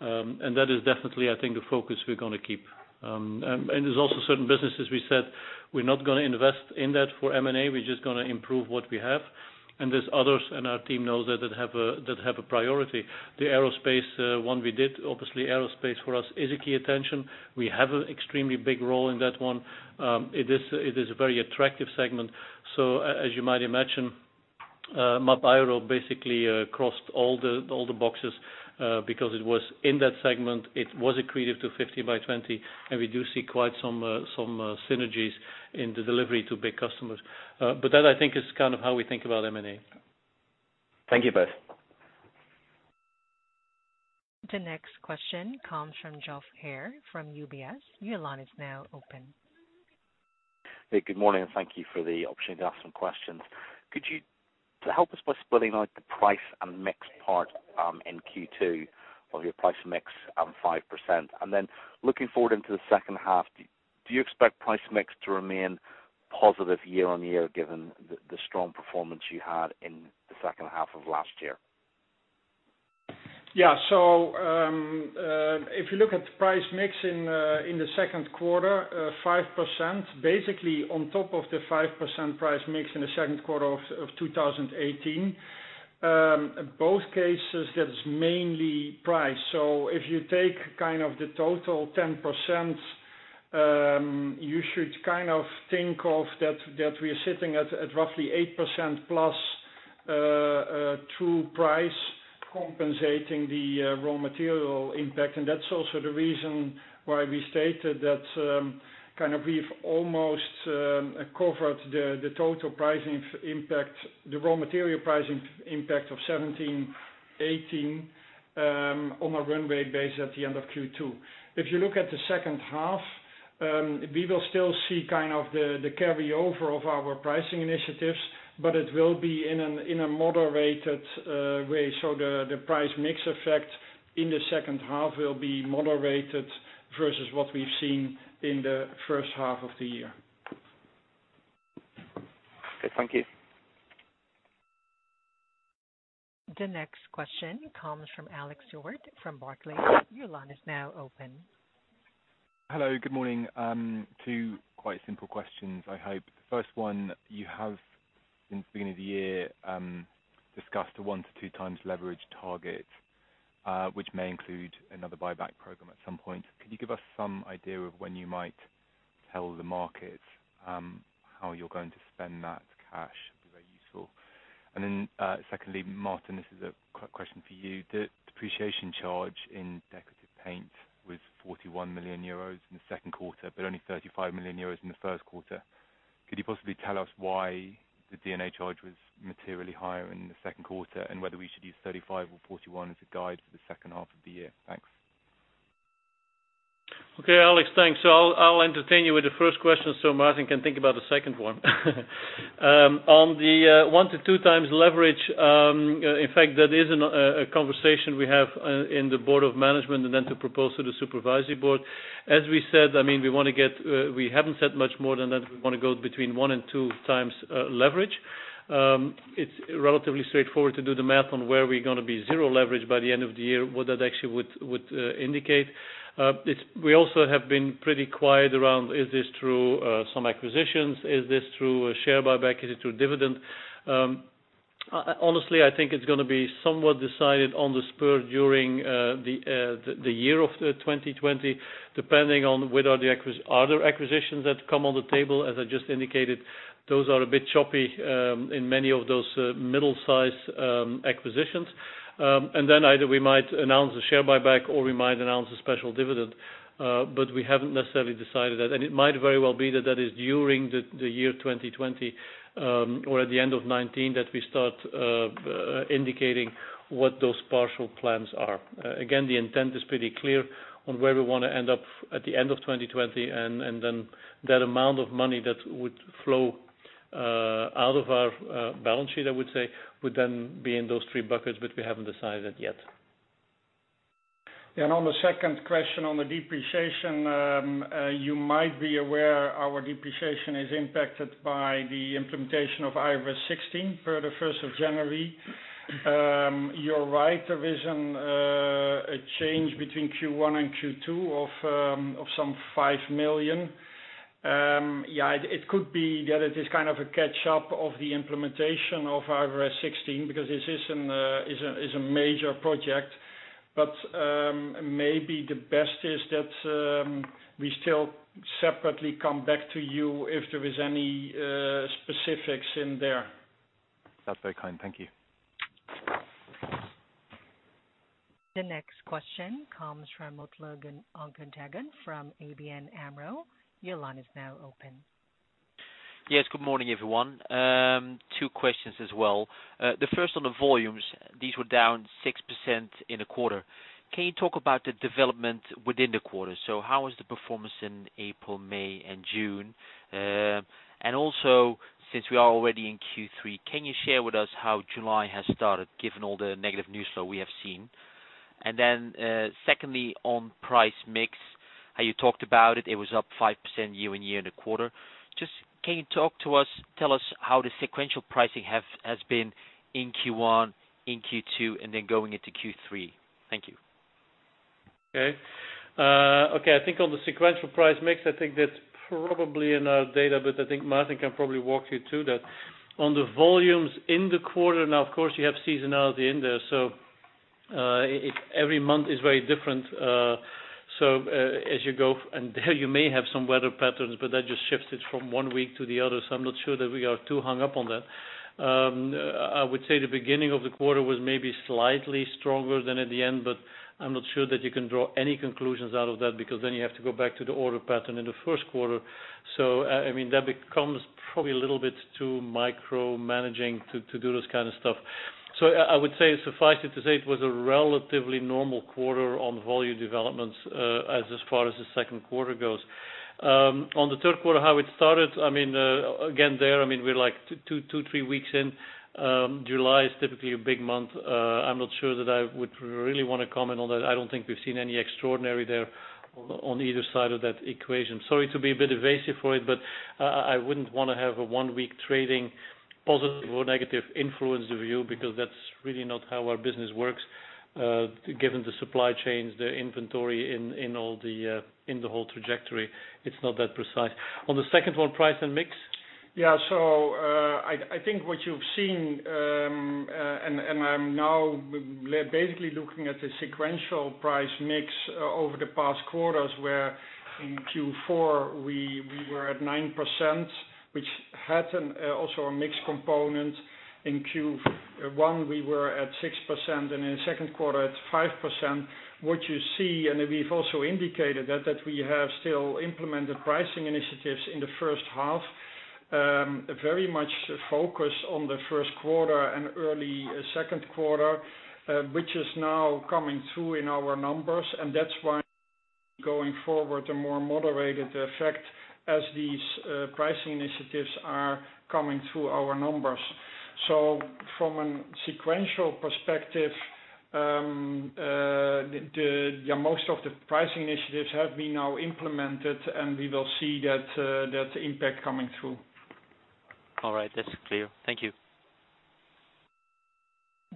That is definitely, I think, the focus we're going to keep. There's also certain businesses we said we're not going to invest in that for M&A. We're just going to improve what we have. There's others, and our team knows that have a priority. The aerospace one we did, obviously, aerospace for us is a key attention. We have an extremely big role in that one. It is a very attractive segment. As you might imagine, Mapaero basically crossed all the boxes, because it was in that segment, it was accretive to 15 by 20, and we do see quite some synergies in the delivery to big customers. That, I think is kind of how we think about M&A. Thank you both. The next question comes from Geoff Haire from UBS. Your line is now open. Hey, good morning, and thank you for the option to ask some questions. Could you help us by splitting out the price and mix part in Q2 of your price mix at 5%? Looking forward into the second half, do you expect price mix to remain positive year-over-year given the strong performance you had in the second half of last year? Yeah. If you look at the price mix in the second quarter, 5%, basically on top of the 5% price mix in the second quarter of 2018. Both cases, that is mainly price. If you take kind of the total 10%, you should kind of think of that we are sitting at roughly 8% + true price compensating the raw material impact. That's also the reason why we stated that kind of we've almost covered the total pricing impact, the raw material pricing impact of 2017, 2018, on a runway base at the end of Q2. If you look at the second half, we will still see kind of the carryover of our pricing initiatives, but it will be in a moderated way. The price mix effect in the second half will be moderated versus what we've seen in the first half of the year. Okay, thank you. The next question comes from Alex Stewart from Barclays. Your line is now open Hello. Good morning. Two quite simple questions, I hope. The first one you have, since the beginning of the year, discussed a 1x to 2x leverage target, which may include another buyback program at some point. Could you give us some idea of when you might tell the markets how you're going to spend that cash? That'd be very useful. Secondly, Maarten, this is a question for you. The depreciation charge in Decorative Paints was 41 million euros in the second quarter, only 35 million euros in the first quarter. Could you possibly tell us why the D&A charge was materially higher in the second quarter, whether we should use 35 or 41 as a guide for the second half of the year? Thanks. Okay, Alex. Thanks. I'll entertain you with the first question so Maarten can think about the second one. On the one to 2x leverage, in fact, that is a conversation we have in the board of management and then to propose to the supervisory board. As we said, we haven't said much more than that we want to go between one and two times leverage. It's relatively straightforward to do the math on where we're going to be zero leverage by the end of the year, what that actually would indicate. We also have been pretty quiet around is this through some acquisitions? Is this through a share buyback? Is it through dividend? Honestly, I think it's going to be somewhat decided on the spur during the year of 2020, depending on are there acquisitions that come on the table? As I just indicated, those are a bit choppy in many of those middle-size acquisitions. Either we might announce a share buyback or we might announce a special dividend. We haven't necessarily decided that. It might very well be that that is during the year 2020, or at the end of 2019, that we start indicating what those partial plans are. Again, the intent is pretty clear on where we want to end up at the end of 2020, and then that amount of money that would flow out of our balance sheet, I would say, would then be in those three buckets, but we haven't decided that yet. On the second question on the depreciation, you might be aware our depreciation is impacted by the implementation of IFRS 16 per the 1st of January. You're right. There is a change between Q1 and Q2 of some 5 million. Yeah, it could be that it is kind of a catch-up of the implementation of IFRS 16, because this is a major project. Maybe the best is that we still separately come back to you if there is any specifics in there. That's very kind. Thank you. The next question comes from Mutlu Gundogan from ABN AMRO. Your line is now open. Yes. Good morning, everyone. Two questions as well. The first on the volumes. These were down 6% in a quarter. Can you talk about the development within the quarter? How was the performance in April, May, and June? Since we are already in Q3, can you share with us how July has started, given all the negative news flow we have seen? Secondly, on price mix, how you talked about it was up 5% year-on-year in the quarter. Just, can you talk to us, tell us how the sequential pricing has been in Q1, in Q2, and then going into Q3? Thank you. Okay. I think on the sequential price mix, I think that's probably in our data, but I think Maarten can probably walk you through that. On the volumes in the quarter, now of course you have seasonality in there. Every month is very different. As you go, and there you may have some weather patterns, but that just shifts it from one week to the other, so I'm not sure that we are too hung up on that. I would say the beginning of the quarter was maybe slightly stronger than at the end, but I'm not sure that you can draw any conclusions out of that, because then you have to go back to the order pattern in the first quarter. That becomes probably a little bit too micromanaging to do this kind of stuff. I would say, suffice it to say, it was a relatively normal quarter on volume developments as far as the second quarter goes. On the third quarter, how it started, again there, we're two, three weeks in. July is typically a big month. I'm not sure that I would really want to comment on that. I don't think we've seen any extraordinary there on either side of that equation. Sorry to be a bit evasive for you, but I wouldn't want to have a one-week trading positive or negative influence the view, because that's really not how our business works, given the supply chains, the inventory in the whole trajectory. It's not that precise. On the second one, price and mix? Yeah. I think what you've seen, I'm now basically looking at the sequential price mix over the past quarters, where in Q4 we were at 9%, which had also a mix component. In Q1 we were at 6% and in the second quarter at 5%. What you see, we've also indicated that we have still implemented pricing initiatives in the first half, very much focused on the first quarter and early second quarter, which is now coming through in our numbers. That's why going forward, a more moderated effect as these pricing initiatives are coming through our numbers. From a sequential perspective, most of the pricing initiatives have been now implemented, and we will see that impact coming through. All right. That's clear. Thank you.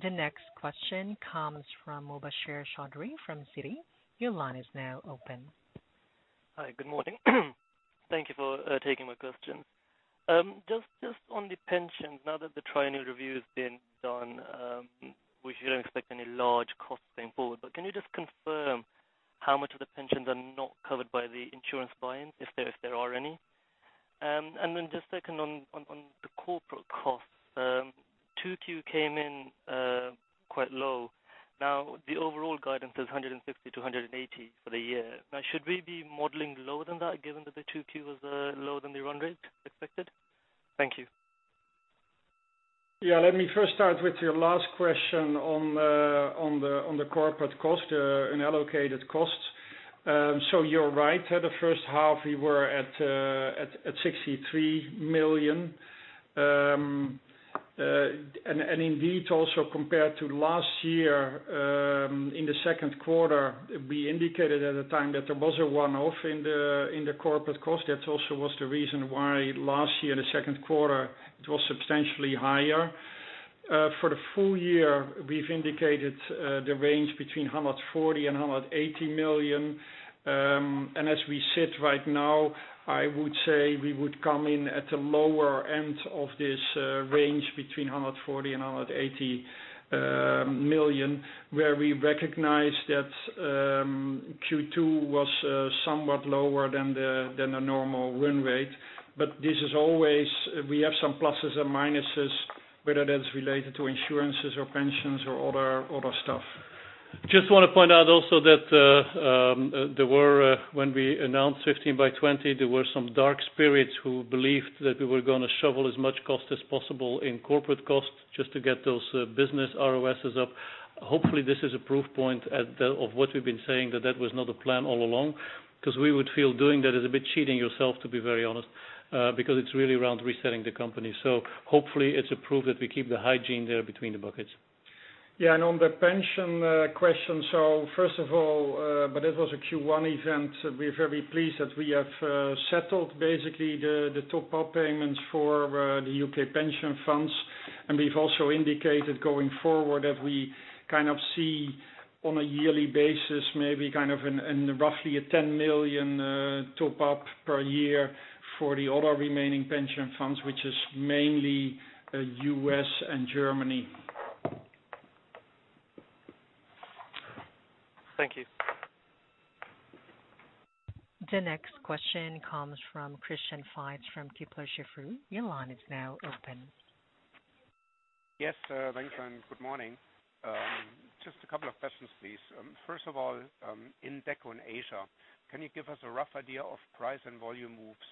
The next question comes from Mubasher Chaudhry from Citi. Your line is now open. Hi. Good morning. Thank you for taking my question. Just on the pensions, now that the triennial review has been done, we shouldn't expect any large costs going forward. Can you just confirm how much of the pensions are not covered by the insurance buy-ins, if there are any? Then just second on the corporate costs. Q2 came in quite low. The overall guidance is 150-180 for the year. Should we be modeling lower than that given that the Q2 was lower than the run rate expected? Thank you. Yeah. Let me first start with your last question on the corporate cost and allocated costs. You're right. At the first half we were at 63 million. Indeed, also compared to last year, in the second quarter, we indicated at the time that there was a one-off in the corporate cost. That also was the reason why last year, in the second quarter, it was substantially higher. For the full year, we've indicated the range between 140 million and 180 million. As we sit right now, I would say we would come in at the lower end of this range between 140 million and 180 million, where we recognize that Q2 was somewhat lower than the normal run rate. This is always, we have some pluses and minuses, whether that's related to insurances or pensions or other stuff. Just want to point out also that when we announced 15 by 20, there were some dark spirits who believed that we were going to shovel as much cost as possible in corporate costs just to get those business ROSs up. Hopefully, this is a proof point of what we've been saying, that that was not a plan all along. We would feel doing that is a bit cheating yourself, to be very honest, because it's really around resetting the company. Hopefully it's a proof that we keep the hygiene there between the buckets. Yeah. On the pension question, first of all, it was a Q1 event. We're very pleased that we have settled basically the top-up payments for the U.K. pension funds. We've also indicated going forward that we kind of see on a yearly basis, maybe kind of roughly a 10 million top-up per year for the other remaining pension funds, which is mainly U.S. and Germany. Thank you. The next question comes from Christian Faitz from Kepler Cheuvreux. Your line is now open. Yes, thanks and good morning. Just a couple of questions, please. First of all, in Deco and Asia, can you give us a rough idea of price and volume moves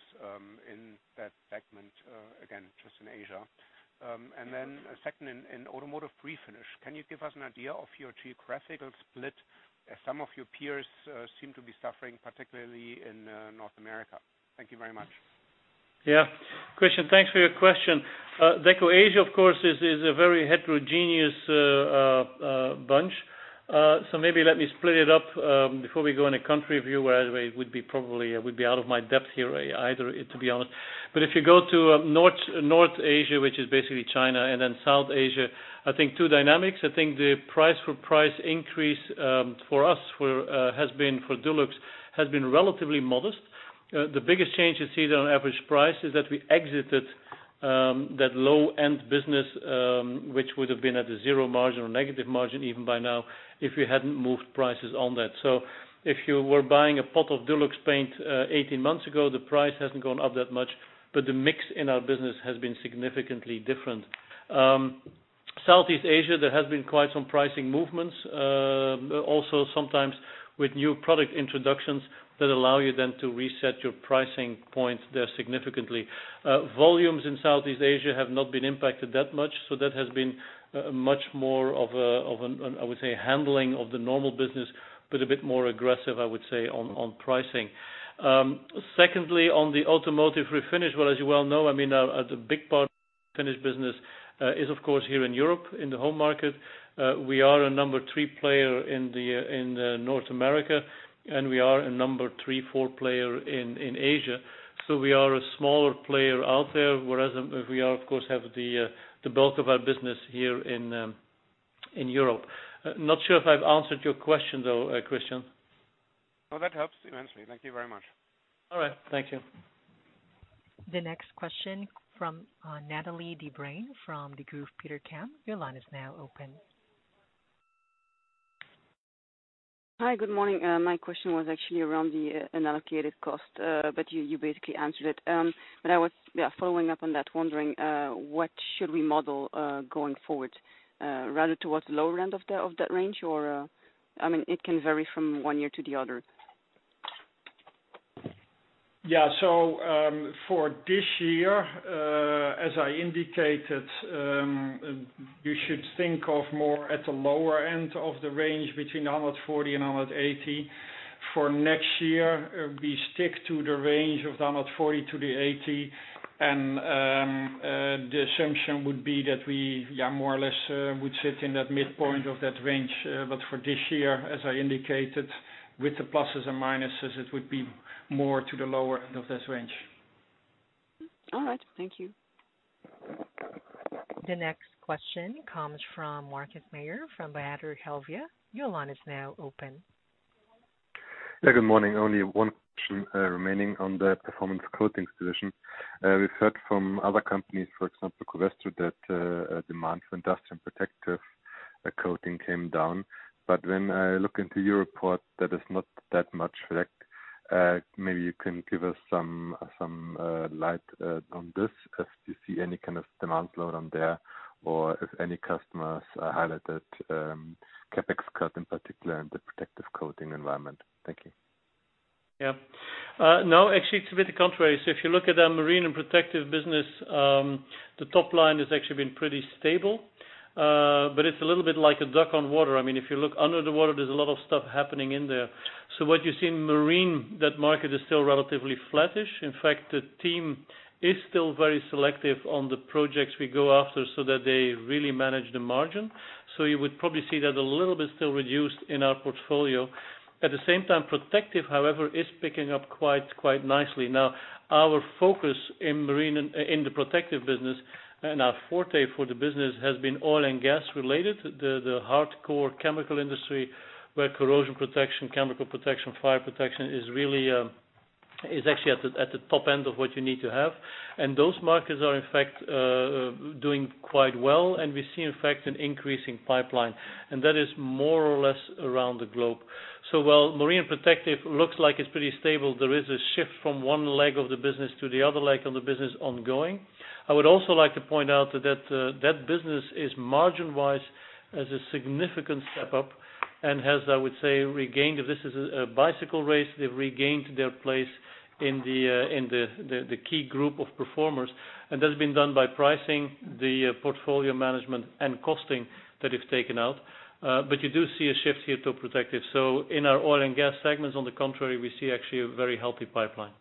in that segment? Again, just in Asia. Then second, in automotive refinish, can you give us an idea of your geographical split as some of your peers seem to be suffering, particularly in North America. Thank you very much. Yeah. Christian, thanks for your question. Deco Asia, of course, is a very heterogeneous bunch. Maybe let me split it up before we go on a country view, where I would be out of my depth here either, to be honest. If you go to North Asia, which is basically China and South Asia, I think two dynamics. I think the price for price increase for us has been for Dulux, relatively modest. The biggest change you see there on average price is that we exited that low-end business, which would have been at a zero margin or negative margin even by now, if we hadn't moved prices on that. If you were buying a pot of Dulux paint 18 months ago, the price hasn't gone up that much, the mix in our business has been significantly different. Southeast Asia, there has been quite some pricing movements, also sometimes with new product introductions that allow you then to reset your pricing points there significantly. Volumes in Southeast Asia have not been impacted that much, so that has been much more of, I would say, handling of the normal business, but a bit more aggressive, I would say, on pricing. Secondly, on the automotive refinish, well, as you well know, the big part of the refinish business is, of course, here in Europe, in the home market. We are a number three player in North America, and we are a number three, four player in Asia. We are a smaller player out there, whereas we of course have the bulk of our business here in Europe. Not sure if I've answered your question though, Christian. No, that helps immensely. Thank you very much. All right. Thank you. The next question from Nathalie Debruyne from Degroof Petercam. Your line is now open. Hi. Good morning. My question was actually around the unallocated cost, but you basically answered it. I was following up on that, wondering what should we model going forward, rather towards the lower end of that range or it can vary from one year to the other? Yeah. For this year, as I indicated, you should think of more at the lower end of the range between 140 and 180. For next year, we stick to the range of the 140 to the 180, and the assumption would be that we more or less would sit in that midpoint of that range. For this year, as I indicated, with the pluses and minuses, it would be more to the lower end of this range. All right. Thank you. The next question comes from Markus Mayer from Baader Helvea. Your line is now open. Yeah, good morning. Only one question remaining on the Performance Coatings division. We’ve heard from other companies, for example, Covestro, that demand for industrial protective coating came down. When I look into your report, that is not that much reflect. Maybe you can give us some light on this, if you see any kind of demand load on there, or if any customers highlighted CapEx cut in particular in the protective coating environment. Thank you. No, actually, it's a bit contrary. If you look at our Marine and Protective Coatings business, the top line has actually been pretty stable. It's a little bit like a duck on water. If you look under the water, there's a lot of stuff happening in there. What you see in Marine, that market is still relatively flattish. In fact, the team is still very selective on the projects we go after so that they really manage the margin. You would probably see that a little bit still reduced in our portfolio. At the same time, Protective Coatings, however, is picking up quite nicely. Our focus in the Protective Coatings business and our forte for the business has been oil and gas related, the hardcore chemical industry, where corrosion protection, chemical protection, fire protection is actually at the top end of what you need to have. Those markets are, in fact, doing quite well. We see, in fact, an increasing pipeline. That is more or less around the globe. While Marine Protective looks like it's pretty stable, there is a shift from one leg of the business to the other leg of the business ongoing. I would also like to point out that that business is margin-wise as a significant step up and has, I would say, regained, if this is a bicycle race, they've regained their place in the key group of performers. That's been done by pricing the portfolio management and costing that we've taken out. You do see a shift here to Protective. In our oil and gas segments, on the contrary, we see actually a very healthy pipeline.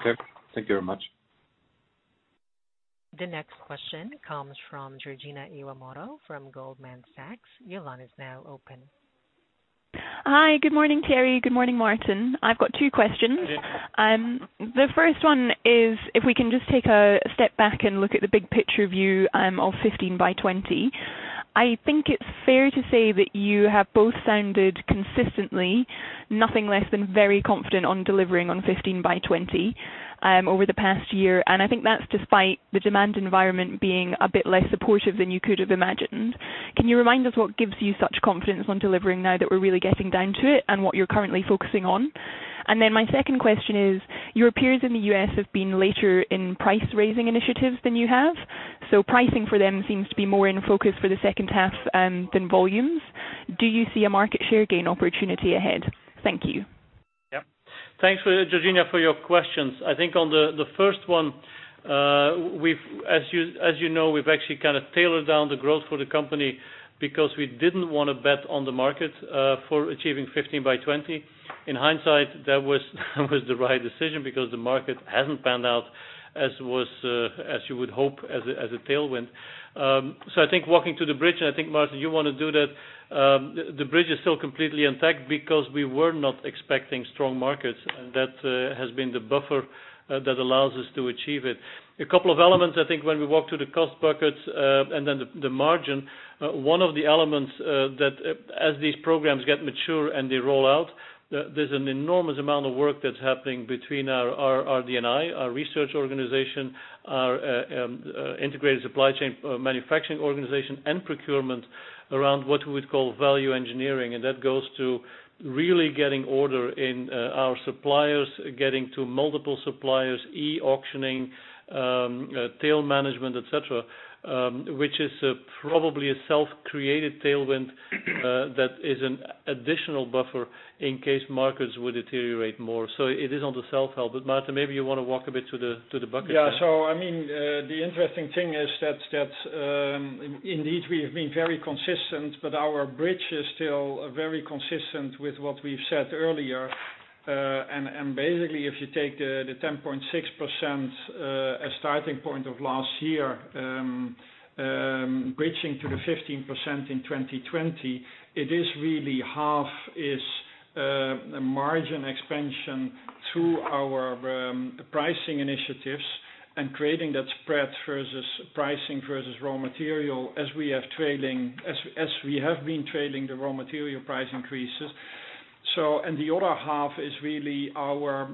Okay. Thank you very much. The next question comes from Georgina Iwamoto from Goldman Sachs. Your line is now open. Hi, good morning, Thierry. Good morning, Maarten. I've got two questions. Okay. The first one is if we can just take a step back and look at the big picture view of 15 by 20. I think it's fair to say that you have both sounded consistently nothing less than very confident on delivering on 15 by 20 over the past year. I think that's despite the demand environment being a bit less supportive than you could have imagined. Can you remind us what gives you such confidence on delivering now that we're really getting down to it and what you're currently focusing on? My second question is, your peers in the U.S. have been later in price raising initiatives than you have. Pricing for them seems to be more in focus for the second half than volumes. Do you see a market share gain opportunity ahead? Thank you. Yeah. Thanks, Georgina, for your questions. I think on the first one, as you know, we’ve actually kind of tailored down the growth for the company because we didn’t want to bet on the market for achieving 15 by 20. In hindsight, that was the right decision because the market hasn’t panned out as you would hope as a tailwind. I think walking to the bridge, and I think, Maarten, you want to do that, the bridge is still completely intact because we were not expecting strong markets. That has been the buffer that allows us to achieve it. A couple of elements, I think, when we walk through the cost buckets and then the margin, one of the elements that as these programs get mature and they roll out, there's an enormous amount of work that's happening between our RD&I, our research organization, our integrated supply chain manufacturing organization, and procurement around what we would call value engineering. That goes to really getting order in our suppliers, getting to multiple suppliers, e-auctioning, tail management, et cetera, which is probably a self-created tailwind that is an additional buffer in case markets would deteriorate more. It is on the self-help. Maarten, maybe you want to walk a bit to the bucket there. The interesting thing is that indeed we have been very consistent, but our bridge is still very consistent with what we've said earlier. Basically, if you take the 10.6% starting point of last year, bridging to the 15% in 2020, it is really half is margin expansion through our pricing initiatives and creating that spread versus pricing versus raw material as we have been trailing the raw material price increases. The other half is really our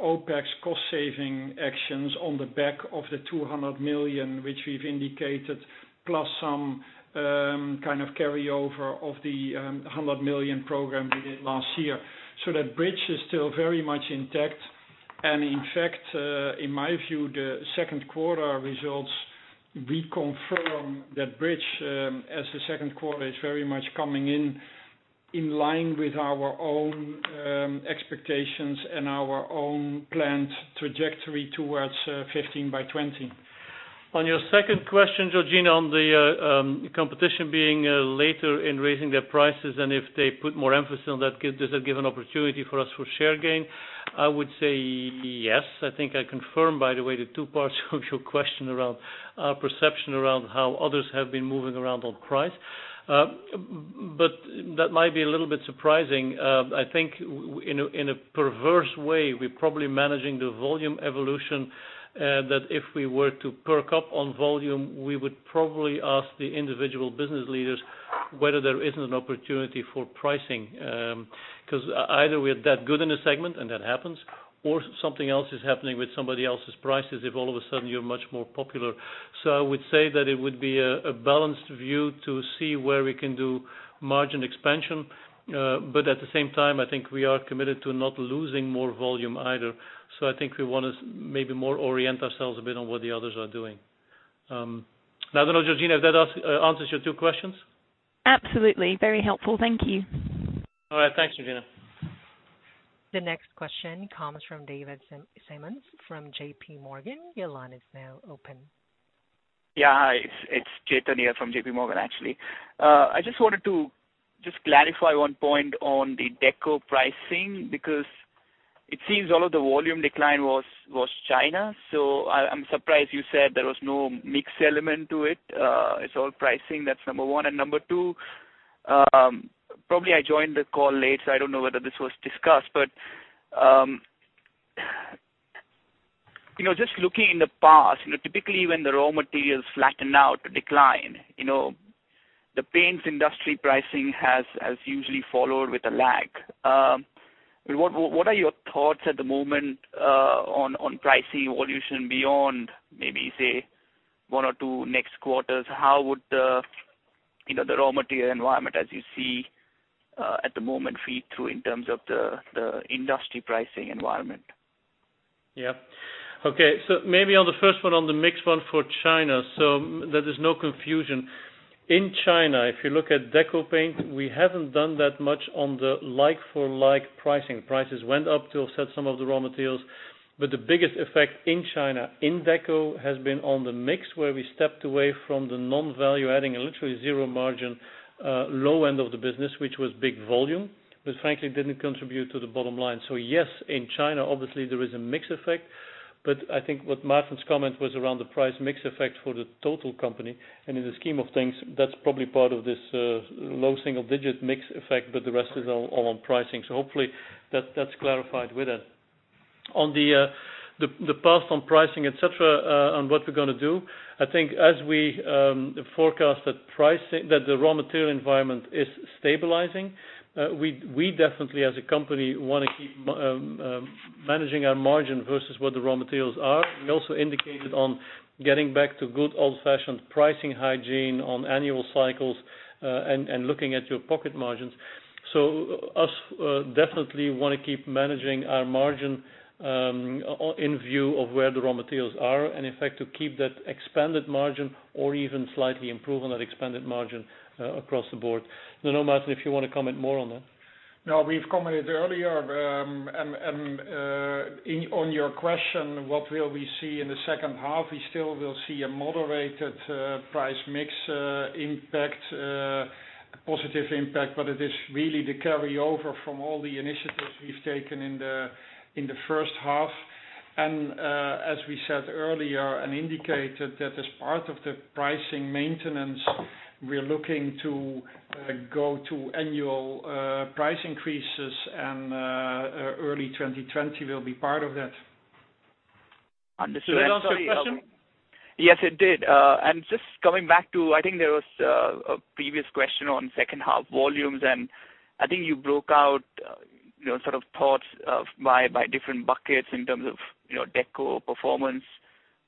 OPEX cost saving actions on the back of the 200 million, which we've indicated, plus some kind of carryover of the 100 million program we did last year. In fact, in my view, the second quarter results reconfirm that bridge as the second quarter is very much coming in in line with our own expectations and our own planned trajectory towards 15 by 20. On your second question, Georgina, on the competition being later in raising their prices and if they put more emphasis on that, does that give an opportunity for us for share gain? I would say yes. I think I confirm, by the way, the two parts of your question around our perception around how others have been moving around on price. That might be a little bit surprising. I think in a perverse way, we're probably managing the volume evolution, that if we were to perk up on volume, we would probably ask the individual business leaders whether there isn't an opportunity for pricing. Either we are that good in a segment and that happens, or something else is happening with somebody else's prices if all of a sudden you're much more popular. I would say that it would be a balanced view to see where we can do margin expansion. At the same time, I think we are committed to not losing more volume either. I think we want to maybe more orient ourselves a bit on what the others are doing. I don't know, Georgina, if that answers your two questions. Absolutely. Very helpful. Thank you. All right. Thanks, Georgina. The next question comes from David Simmons from JPMorgan. Your line is now open. Yeah. Hi, it's Chetan here from JPMorgan, actually. I just wanted to just clarify one point on the Deco pricing, because it seems all of the volume decline was China, so I'm surprised you said there was no mix element to it. It's all pricing. That's number one. Number two, probably I joined the call late, so I don't know whether this was discussed, but just looking in the past, typically when the raw materials flatten out, decline, the paints industry pricing has usually followed with a lag. What are your thoughts at the moment on pricing evolution beyond maybe say one or two next quarters? How would the raw material environment as you see at the moment feed through in terms of the industry pricing environment? Yeah. Okay. Maybe on the first one, on the mix one for China, so there is no confusion. In China, if you look at Decorative Paints, we haven't done that much on the like-for-like pricing. Prices went up to offset some of the raw materials, but the biggest effect in China in Deco has been on the mix, where we stepped away from the non-value adding and literally zero margin, low end of the business, which was big volume, which frankly didn't contribute to the bottom line. Yes, in China, obviously there is a mix effect, but I think what Maarten's comment was around the price mix effect for the total company, and in the scheme of things, that's probably part of this low single-digit mix effect, but the rest is all on pricing. Hopefully that's clarified with that. On the past on pricing, et cetera, on what we're going to do, I think as we forecast that the raw material environment is stabilizing, we definitely as a company want to keep managing our margin versus what the raw materials are. We also indicated on getting back to good old-fashioned pricing hygiene on annual cycles, and looking at your pocket margins. Us definitely want to keep managing our margin in view of where the raw materials are, and in fact, to keep that expanded margin or even slightly improve on that expanded margin across the board. I don't know, Maarten, if you want to comment more on that. No, we've commented earlier. On your question, what will we see in the second half? We still will see a moderated price mix impact, a positive impact, but it is really the carryover from all the initiatives we've taken in the first half. As we said earlier and indicated that as part of the pricing maintenance, we're looking to go to annual price increases and early 2020 will be part of that. Understood. Does that answer your question? Yes, it did. Just coming back to, I think there was a previous question on second half volumes, and I think you broke out sort of thoughts by different buckets in terms of Deco Performance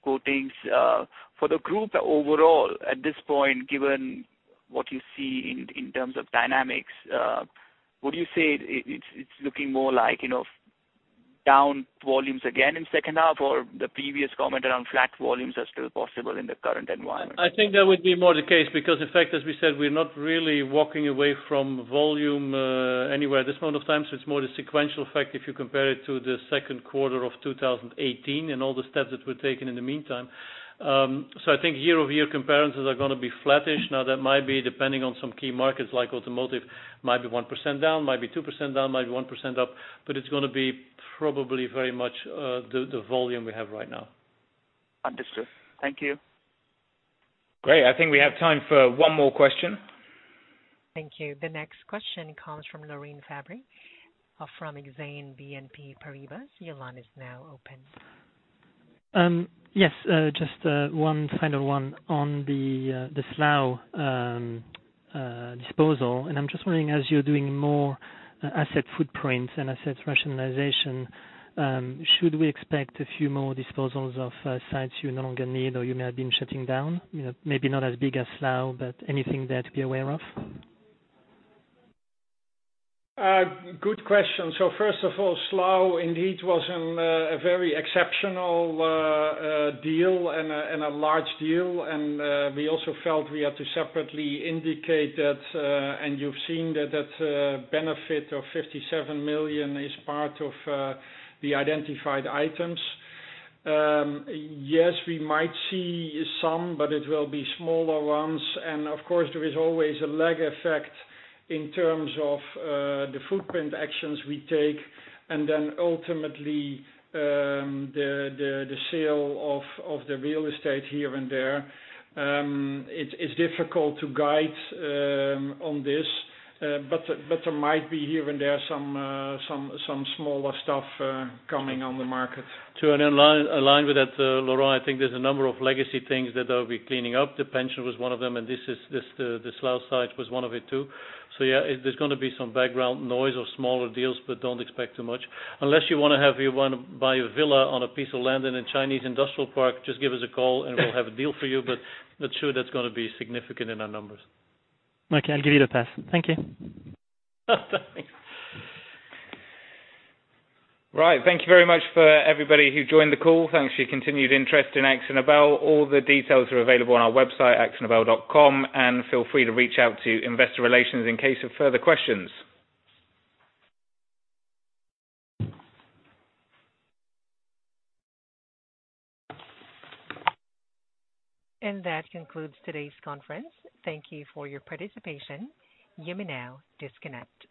Coatings. For the group overall, at this point, given what you see in terms of dynamics, would you say it's looking more like down volumes again in second half? The previous comment around flat volumes are still possible in the current environment? I think that would be more the case, because in fact, as we said, we're not really walking away from volume anywhere at this point of time, so it's more the sequential effect if you compare it to the second quarter of 2018 and all the steps that were taken in the meantime. I think year-over-year comparisons are going to be flattish. That might be depending on some key markets like automotive, might be 1% down, might be 2% down, might be 1% up, but it's going to be probably very much the volume we have right now. Understood. Thank you. Great. I think we have time for one more question. Thank you. The next question comes from Laurent Favre from Exane BNP Paribas. Your line is now open. Yes. Just one final one on the Slough disposal, and I'm just wondering, as you're doing more asset footprint and asset rationalization, should we expect a few more disposals of sites you no longer need or you may have been shutting down? Maybe not as big as Slough, but anything there to be aware of? Good question. First of all, Slough indeed was a very exceptional deal and a large deal, and we also felt we had to separately indicate that, and you've seen that benefit of 57 million is part of the identified items. Yes, we might see some, but it will be smaller ones. Of course, there is always a lag effect in terms of the footprint actions we take, and then ultimately, the sale of the real estate here and there. It's difficult to guide on this, but there might be here and there some smaller stuff coming on the market. To align with that, Laurent, I think there's a number of legacy things that I'll be cleaning up. The pension was one of them, and the Slough site was one of it too. Yeah, there's going to be some background noise or smaller deals, but don't expect too much. Unless you want to buy a villa on a piece of land in a Chinese industrial park, just give us a call and we'll have a deal for you, but not sure that's going to be significant in our numbers. Okay, I'll give it a pass. Thank you. Thanks. Right. Thank you very much for everybody who joined the call. Thanks for your continued interest in Akzo Nobel. All the details are available on our website, akzonobel.com. Feel free to reach out to investor relations in case of further questions. That concludes today's conference. Thank you for your participation. You may now disconnect.